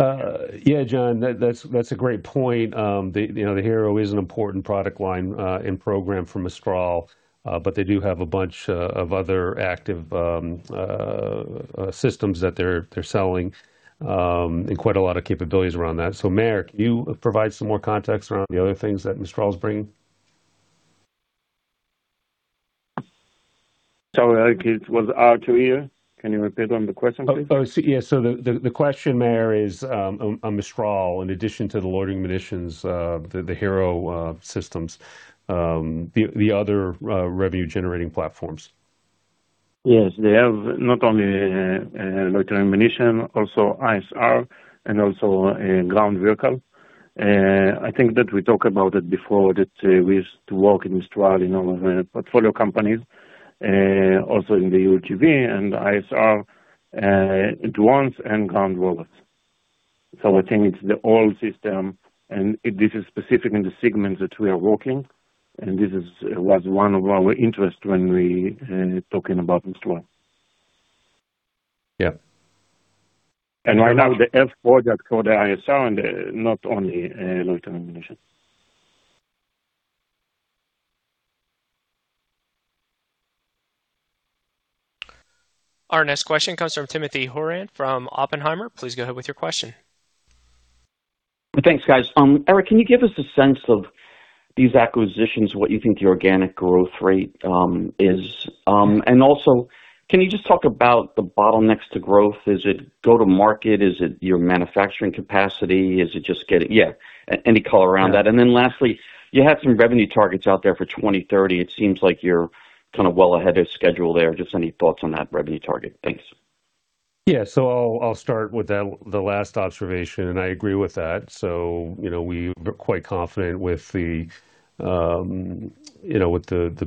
Yeah, John, that's a great point. You know, the HERO is an important product line and program from Mistral. But they do have a bunch of other active systems that they're selling and quite a lot of capabilities around that. Meir, can you provide some more context around the other things that Mistral is bringing? Sorry, Eric, it was hard to hear. Can you repeat on the question, please? The question there is on Mistral in addition to the loitering munitions, the HERO systems, the other revenue-generating platforms. Yes. They have not only loitering ammunition, also ISR and also ground vehicle. I think that we talked about it before. That we used to work in Mistral in all of the portfolio companies. Also in the UGV and ISR, drones and ground robots. I think it's the whole system and this is specific in the segments that we are working. This was one of our interest when we talking about Mistral. Yeah. Right now the full product for the ISR and not only loitering ammunition. Our next question comes from Timothy Horan from Oppenheimer. Please go ahead with your question. Thanks, guys. Eric, can you give us a sense of these acquisitions, what you think the organic growth rate is? Also can you just talk about the bottlenecks to growth? Is it go-to-market? Is it your manufacturing capacity? Is it just getting? Yeah, any color around that. Lastly, you had some revenue targets out there for 2030. It seems like you're kind of well ahead of schedule there. Just any thoughts on that revenue target. Thanks. Yeah. I'll start with the last observation, and I agree with that. You know, we are quite confident with the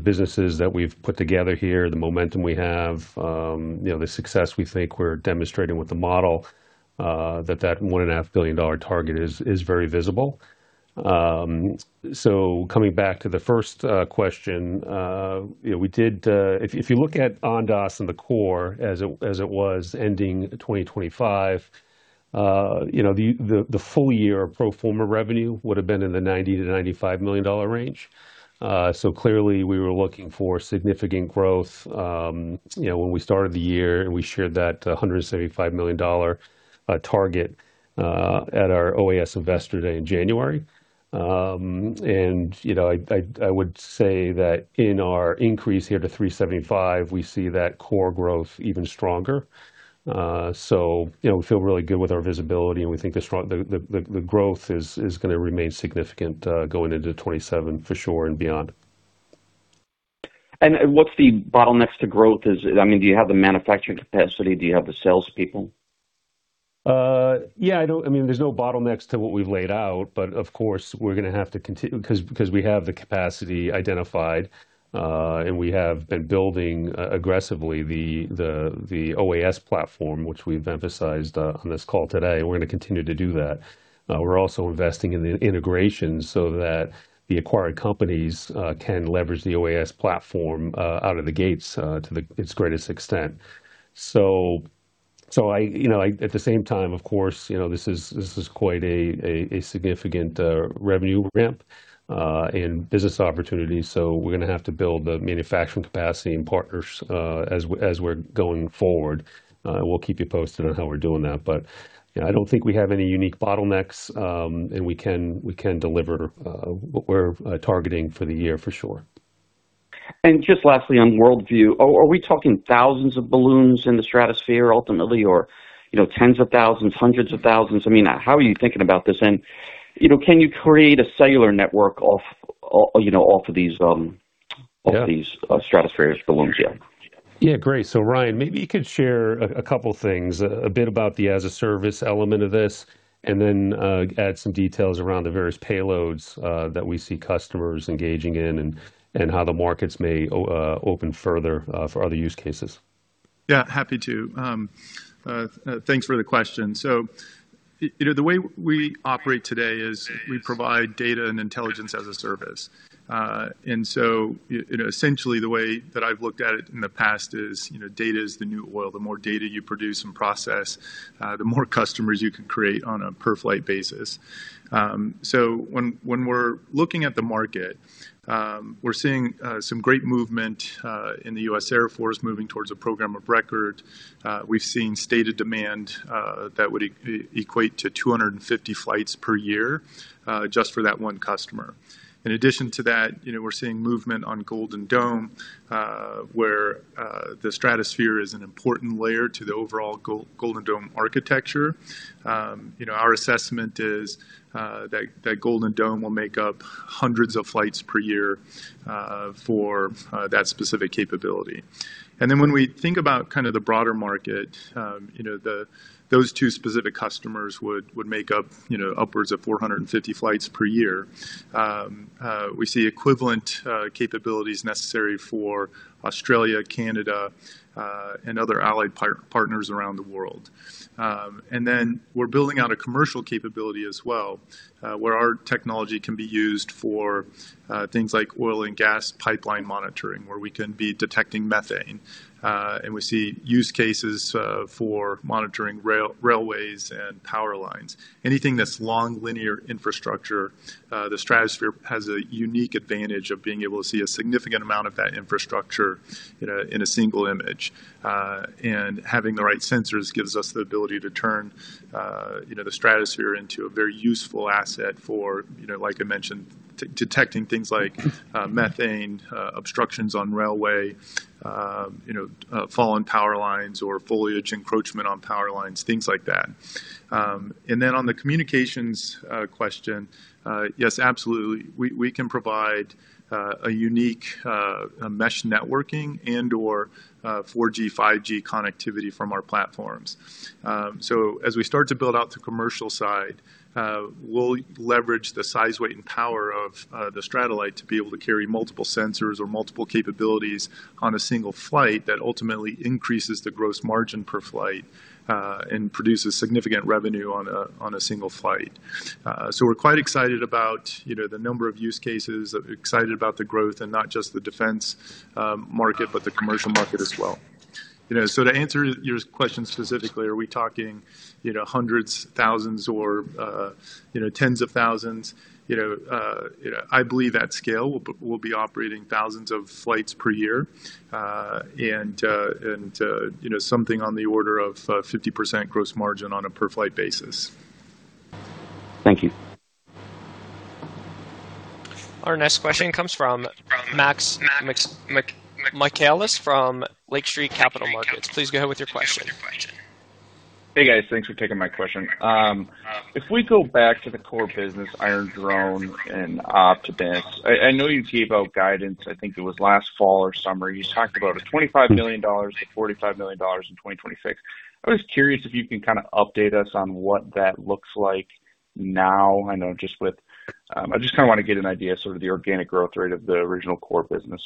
businesses that we've put together here, the momentum we have, you know, the success we think we're demonstrating with the model, that $1.5 billion target is very visible. Coming back to the first question, you know, we did if you look at Ondas and the core as it was ending 2025, you know, the full year pro forma revenue would have been in the $90 million-$95 million range. Clearly we were looking for significant growth, you know, when we started the year and we shared that $175 million target at our OAS Investor Day in January. You know, I would say that in our increase here to $375 million, we see that core growth even stronger. You know, we feel really good with our visibility, and we think the growth is gonna remain significant going into 2027 for sure and beyond. What's the bottlenecks to growth? Is it? I mean, do you have the manufacturing capacity? Do you have the salespeople? I mean, there's no bottlenecks to what we've laid out, but of course, we're gonna have to, 'cause we have the capacity identified, and we have been building aggressively the OAS platform, which we've emphasized on this call today. We're gonna continue to do that. We're also investing in the integration so that the acquired companies can leverage the OAS platform out of the gates to its greatest extent. At the same time, of course, you know, this is quite a significant revenue ramp and business opportunity. We're gonna have to build the manufacturing capacity and partners as we're going forward. We'll keep you posted on how we're doing that. you know, I don't think we have any unique bottlenecks, and we can deliver what we're targeting for the year for sure. Just lastly on World View. Are we talking thousands of balloons in the stratosphere ultimately or, you know, tens of thousands, hundreds of thousands? I mean, how are you thinking about this? You know, can you create a cellular network off of these? Yeah. Stratospheric balloons? Yeah. Yeah. Great. Ryan, maybe you could share a couple things. A bit about the as a service element of this, and then add some details around the various payloads that we see customers engaging in and how the markets may open further for other use cases. Yeah, happy to. Thanks for the question. You know, the way we operate today is we provide data and intelligence as a service. You know, essentially the way that I've looked at it in the past is, you know, data is the new oil. The more data you produce and process, the more customers you can create on a per flight basis. When we're looking at the market, we're seeing some great movement in the U.S. Air Force moving towards a program of record. We've seen stated demand that would equate to 250 flights per year, just for that one customer. In addition to that, you know, we're seeing movement on Golden Dome, where the stratosphere is an important layer to the overall Golden Dome architecture. You know, our assessment is that Golden Dome will make up hundreds of flights per year for that specific capability. When we think about kind of the broader market, you know, those two specific customers would make up, you know, upwards of 450 flights per year. We see equivalent capabilities necessary for Australia, Canada, and other allied partners around the world. We're building out a commercial capability as well, where our technology can be used for things like oil and gas pipeline monitoring, where we can be detecting methane. We see use cases for monitoring railways and power lines. Anything that's long linear infrastructure, the stratosphere has a unique advantage of being able to see a significant amount of that infrastructure, you know, in a single image. Having the right sensors gives us the ability to turn, you know, the stratosphere into a very useful asset for, you know, like I mentioned, detecting things like methane, obstructions on railway, you know, fallen power lines or foliage encroachment on power lines, things like that. On the communications question, yes, absolutely. We can provide a unique mesh networking and/or 4G, 5G connectivity from our platforms. As we start to build out the commercial side, we'll leverage the size, weight, and power of Of the Stratollite to be able to carry multiple sensors or multiple capabilities on a single flight that ultimately increases the gross margin per flight, and produces significant revenue on a single flight. We're quite excited about, you know, the number of use cases. Excited about the growth and not just the defense market, but the commercial market as well. You know, to answer your question specifically, are we talking, you know, hundreds, thousands or, you know, tens of thousands? You know, I believe at scale, we'll be operating thousands of flights per year. You know, something on the order of 50% gross margin on a per flight basis. Thank you. Our next question comes from Max Michaelis from Lake Street Capital Markets. Please go ahead with your question. Hey, guys. Thanks for taking my question. If we go back to the core business, Iron Drone and Optimus, I know you gave out guidance, I think it was last fall or summer. You talked about $25 million-$45 million in 2026. I was curious if you can kind of update us on what that looks like now. I know just with. I just kinda wanna get an idea sort of the organic growth rate of the original core business.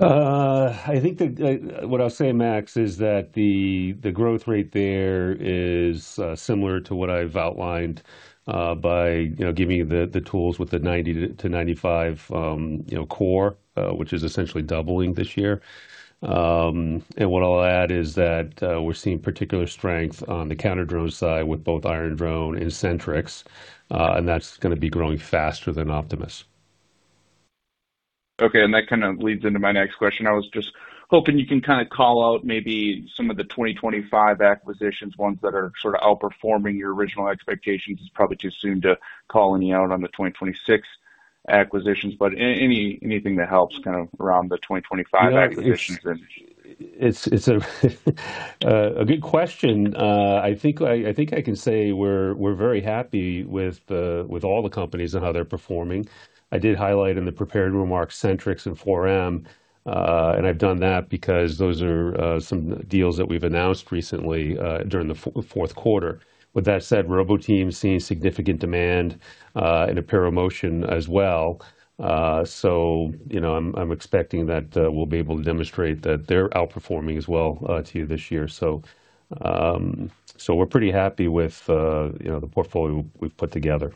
I think what I'll say, Max, is that the growth rate there is similar to what I've outlined by you know giving you the tools with the 90%-95% you know core which is essentially doubling this year. What I'll add is that we're seeing particular strength on the counter drone side with both Iron Drone and Centrix and that's gonna be growing faster than Optimus. Okay. That kind of leads into my next question. I was just hoping you can kind of call out maybe some of the 2025 acquisitions, ones that are sort of outperforming your original expectations. It's probably too soon to call any out on the 2026 acquisitions, but anything that helps kind of around the 2025 acquisitions and- You know, it's a good question. I think I can say we're very happy with all the companies and how they're performing. I did highlight in the prepared remarks, Centric and Forem, and I've done that because those are some deals that we've announced recently during the fourth quarter. With that said, Roboteam is seeing significant demand, and Airobotics as well. You know, I'm expecting that we'll be able to demonstrate that they're outperforming as well to you this year. We're pretty happy with, you know, the portfolio we've put together.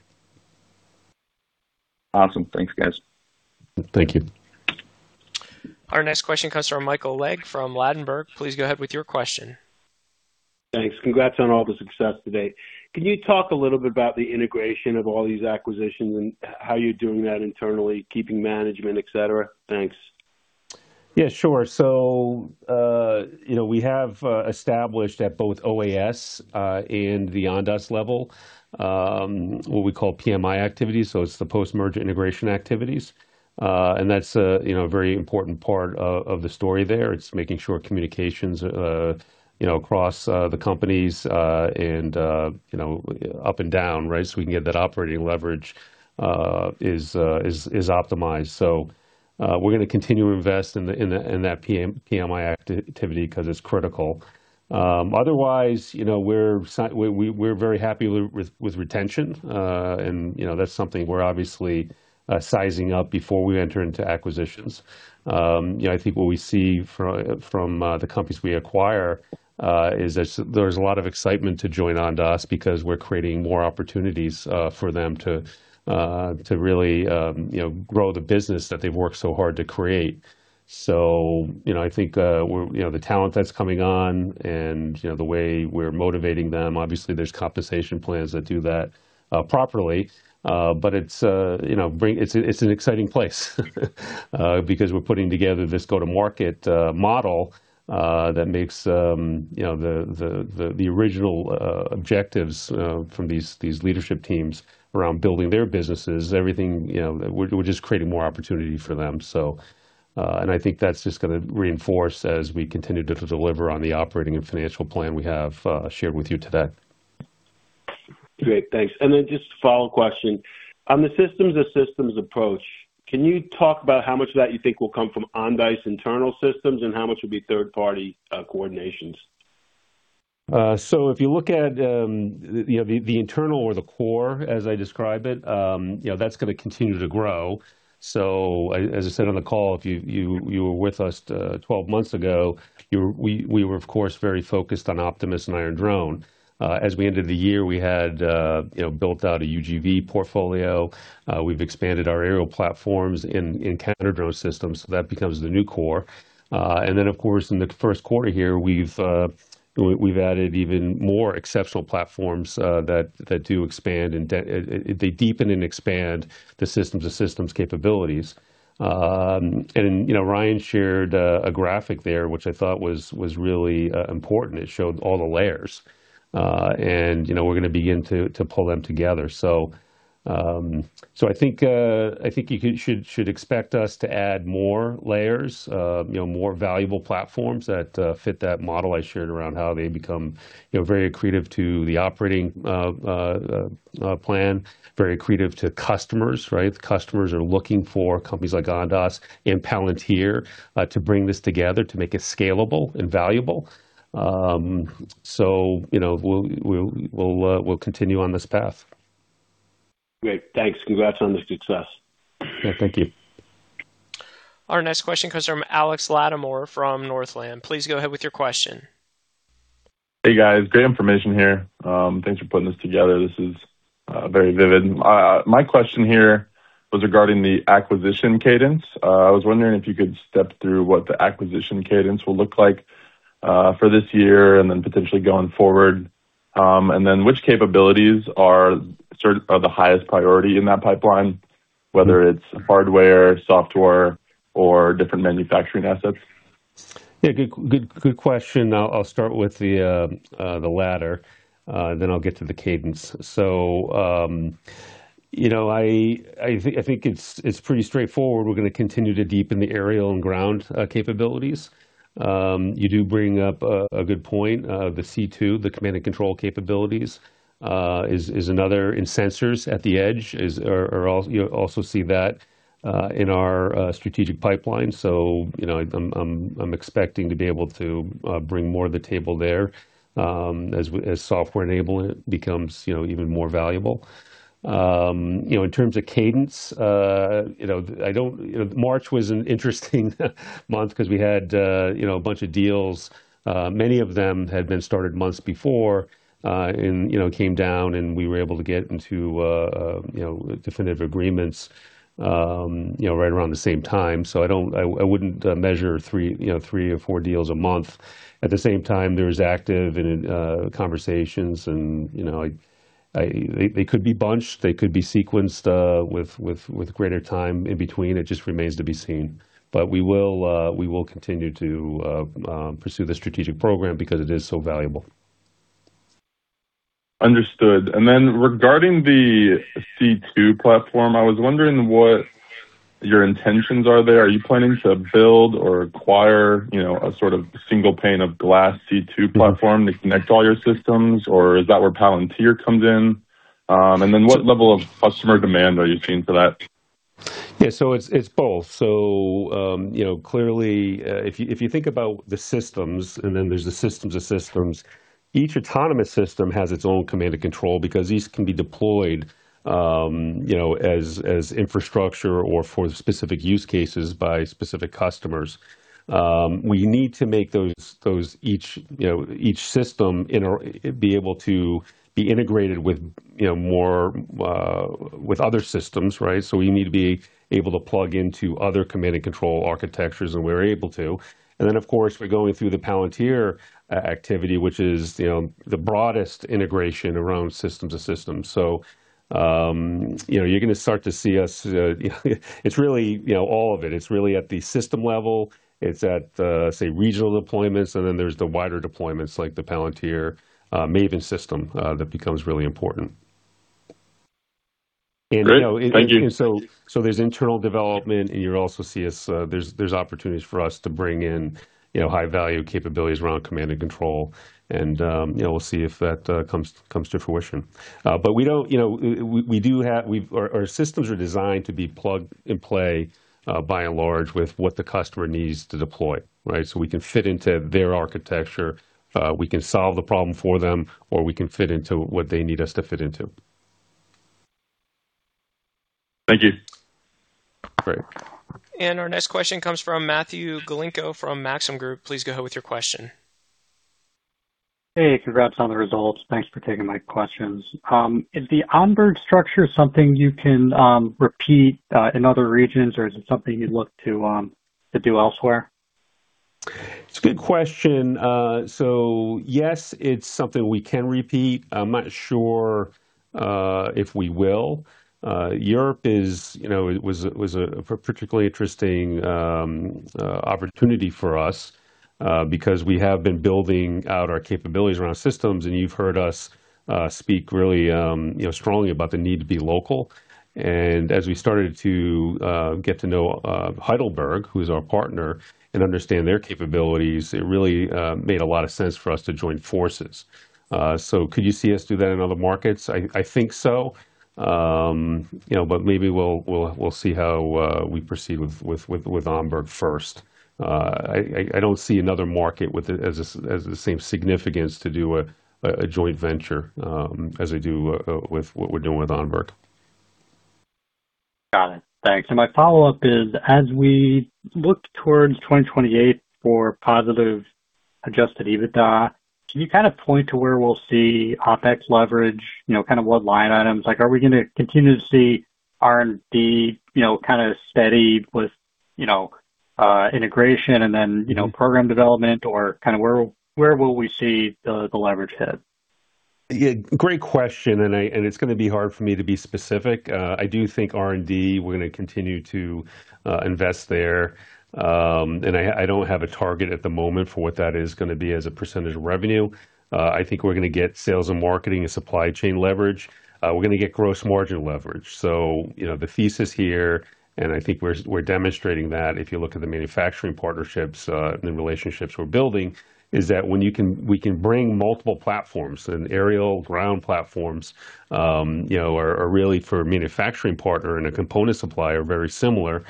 Awesome. Thanks, guys. Thank you. Our next question comes from Michael Legg, from Ladenburg. Please go ahead with your question. Thanks. Congrats on all the success today. Can you talk a little bit about the integration of all these acquisitions and how you're doing that internally, keeping management, et cetera? Thanks. Yeah, sure. You know, we have established at both OAS and the Ondas level what we call PMI activities, so it's the post-merger integration activities. That's a you know, very important part of the story there. It's making sure communications you know, across the companies and you know, up and down, right? We can get that operating leverage is optimized. We're gonna continue to invest in that PMI activity 'cause it's critical. Otherwise, you know, we're very happy with retention. You know, that's something we're obviously sizing up before we enter into acquisitions. You know, I think what we see from the companies we acquire is that there's a lot of excitement to join Ondas because we're creating more opportunities for them to really, you know, grow the business that they've worked so hard to create. You know, I think we're, you know, the talent that's coming on and, you know, the way we're motivating them, obviously there's compensation plans that do that properly. It's an exciting place because we're putting together this go-to-market model that makes, you know, the original objectives from these leadership teams around building their businesses, everything, you know, we're just creating more opportunity for them. I think that's just gonna reinforce as we continue to deliver on the operating and financial plan we have shared with you today. Great. Thanks. Just a follow question. On the systems of systems approach, can you talk about how much of that you think will come from Ondas internal systems and how much will be third-party coordinations? If you look at you know, the internal or the core, as I describe it, you know, that's gonna continue to grow. As I said on the call, if you were with us 12 months ago, we were of course very focused on Optimus and Iron Drone. As we ended the year we had you know, built out a UGV portfolio. We've expanded our aerial platforms in counter drone systems so that becomes the new core. Of course in the first quarter here we've added even more exceptional platforms that do expand and they deepen and expand the systems of systems capabilities. You know, Ryan shared a graphic there, which I thought was really important. It showed all the layers. You know, we're gonna begin to pull them together. I think you should expect us to add more layers, you know, more valuable platforms that fit that model I shared around how they become, you know, very accretive to the operating plan, very accretive to customers, right? The customers are looking for companies like Ondas and Palantir to bring this together to make it scalable and valuable. You know, we'll continue on this path. Great. Thanks. Congrats on this success. Yeah, thank you. Our next question comes from Alex Latimore from Northland. Please go ahead with your question. Hey, guys. Great information here. Thanks for putting this together. This is very vivid. My question here was regarding the acquisition cadence. I was wondering if you could step through what the acquisition cadence will look like for this year and then potentially going forward. Which capabilities are sort of the highest priority in that pipeline, whether it's hardware, software, or different manufacturing assets? Yeah, good question. I'll start with the latter, then I'll get to the cadence. You know, I think it's pretty straightforward. We're gonna continue to deepen the aerial and ground capabilities. You do bring up a good point. The C2, the command and control capabilities, is another. You know, also see that in our strategic pipeline. You know, I'm expecting to be able to bring more to the table there, as software enabling it becomes even more valuable. You know, in terms of cadence, March was an interesting month 'cause we had a bunch of deals. Many of them had been started months before, and, you know, came down, and we were able to get into, you know, definitive agreements, you know, right around the same time. I wouldn't measure three or four deals a month. At the same time, there's active conversations, and they could be bunched, they could be sequenced with greater time in between. It just remains to be seen. We will continue to pursue the strategic program because it is so valuable. Understood. Regarding the C2 platform, I was wondering what your intentions are there. Are you planning to build or acquire, you know, a sort of single pane of glass C2 platform to connect all your systems, or is that where Palantir comes in? What level of customer demand are you seeing for that? Yeah. It's both. You know, clearly, if you think about the systems and then there's the systems of systems, each autonomous system has its own command and control because these can be deployed, you know, as infrastructure or for specific use cases by specific customers. We need to make those each, you know, each system be able to be integrated with, you know, more with other systems, right? We need to be able to plug into other command and control architectures, and we're able to. Then, of course, we're going through the Palantir activity, which is, you know, the broadest integration around systems of systems. You know, you're gonna start to see us, it's really, you know, all of it. It's really at the system level. It's at the, say, regional deployments, and then there's the wider deployments like the Palantir Maven system that becomes really important. You know- Great. Thank you. There's internal development, and you'll also see us. There's opportunities for us to bring in, you know, high value capabilities around command and control, and, you know, we'll see if that comes to fruition. But we don't, you know, we do have. Our systems are designed to be plug and play, by and large with what the customer needs to deploy, right? We can fit into their architecture, we can solve the problem for them, or we can fit into what they need us to fit into. Thank you. Great. Our next question comes from Matthew Galinko from Maxim Group. Please go ahead with your question. Hey, congrats on the results. Thanks for taking my questions. Is the ONBERG structure something you can repeat in other regions, or is it something you'd look to do elsewhere? It's a good question. Yes, it's something we can repeat. I'm not sure if we will. Europe is, you know, it was a particularly interesting opportunity for us, because we have been building out our capabilities around systems, and you've heard us speak really, you know, strongly about the need to be local. As we started to get to know Heidelberg, who's our partner, and understand their capabilities, it really made a lot of sense for us to join forces. Could you see us do that in other markets? I think so. You know, but maybe we'll see how we proceed with ONBERG first. I don't see another market with the same significance to do a joint venture as I do with what we're doing with ONBERG. Got it. Thanks. My follow-up is, as we look towards 2028 for positive adjusted EBITDA, can you kind of point to where we'll see OpEx leverage, you know, kind of what line items? Like, are we gonna continue to see R&D, you know, kind of steady with, you know, integration and then, you know, program development or kind of where will we see the leverage hit? Yeah, great question, and it's gonna be hard for me to be specific. I do think R&D, we're gonna continue to invest there. I don't have a target at the moment for what that is gonna be as a percentage of revenue. I think we're gonna get sales and marketing and supply chain leverage. We're gonna get gross margin leverage. You know, the thesis here, and I think we're demonstrating that if you look at the manufacturing partnerships, the relationships we're building, is that when we can bring multiple platforms and aerial ground platforms, you know, are really for a manufacturing partner and a component supplier, very similar.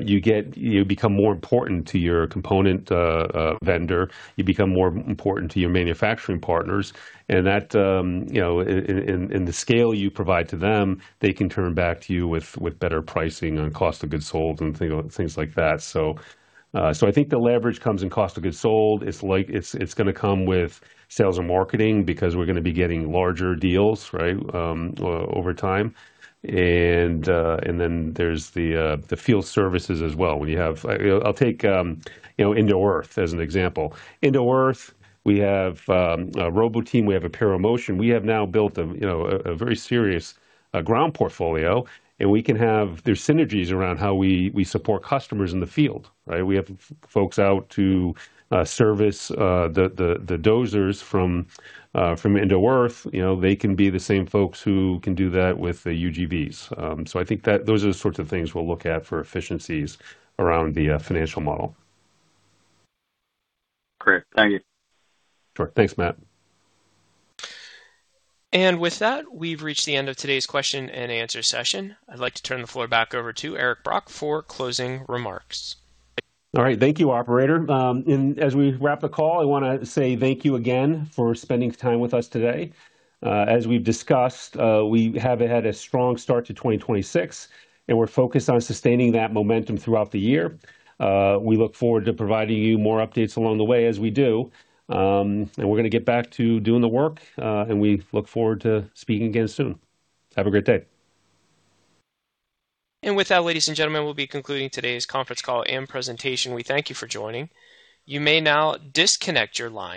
You become more important to your component vendor. You become more important to your manufacturing partners. That, you know, in the scale you provide to them, they can turn back to you with better pricing on cost of goods sold and things like that. I think the leverage comes in cost of goods sold. It's gonna come with sales and marketing because we're gonna be getting larger deals, right, over time. Then there's the field services as well. When you have, you know, I'll take Indo Earth as an example. Indo Earth, we have a Roboteam. We have Airobotics. We have now built a, you know, a very serious ground portfolio, and we can have. There's synergies around how we support customers in the field, right? We have folks out to service the dozers from Indo Earth Moving. You know, they can be the same folks who can do that with the UGVs. I think that those are the sorts of things we'll look at for efficiencies around the financial model. Great. Thank you. Sure. Thanks, Matt. With that, we've reached the end of today's question and answer session. I'd like to turn the floor back over to Eric Brock for closing remarks. All right. Thank you, operator. As we wrap the call, I wanna say thank you again for spending time with us today. As we've discussed, we have had a strong start to 2026, and we're focused on sustaining that momentum throughout the year. We look forward to providing you more updates along the way as we do, and we're gonna get back to doing the work, and we look forward to speaking again soon. Have a great day. With that, ladies and gentlemen, we'll be concluding today's conference call and presentation. We thank you for joining. You may now disconnect your lines.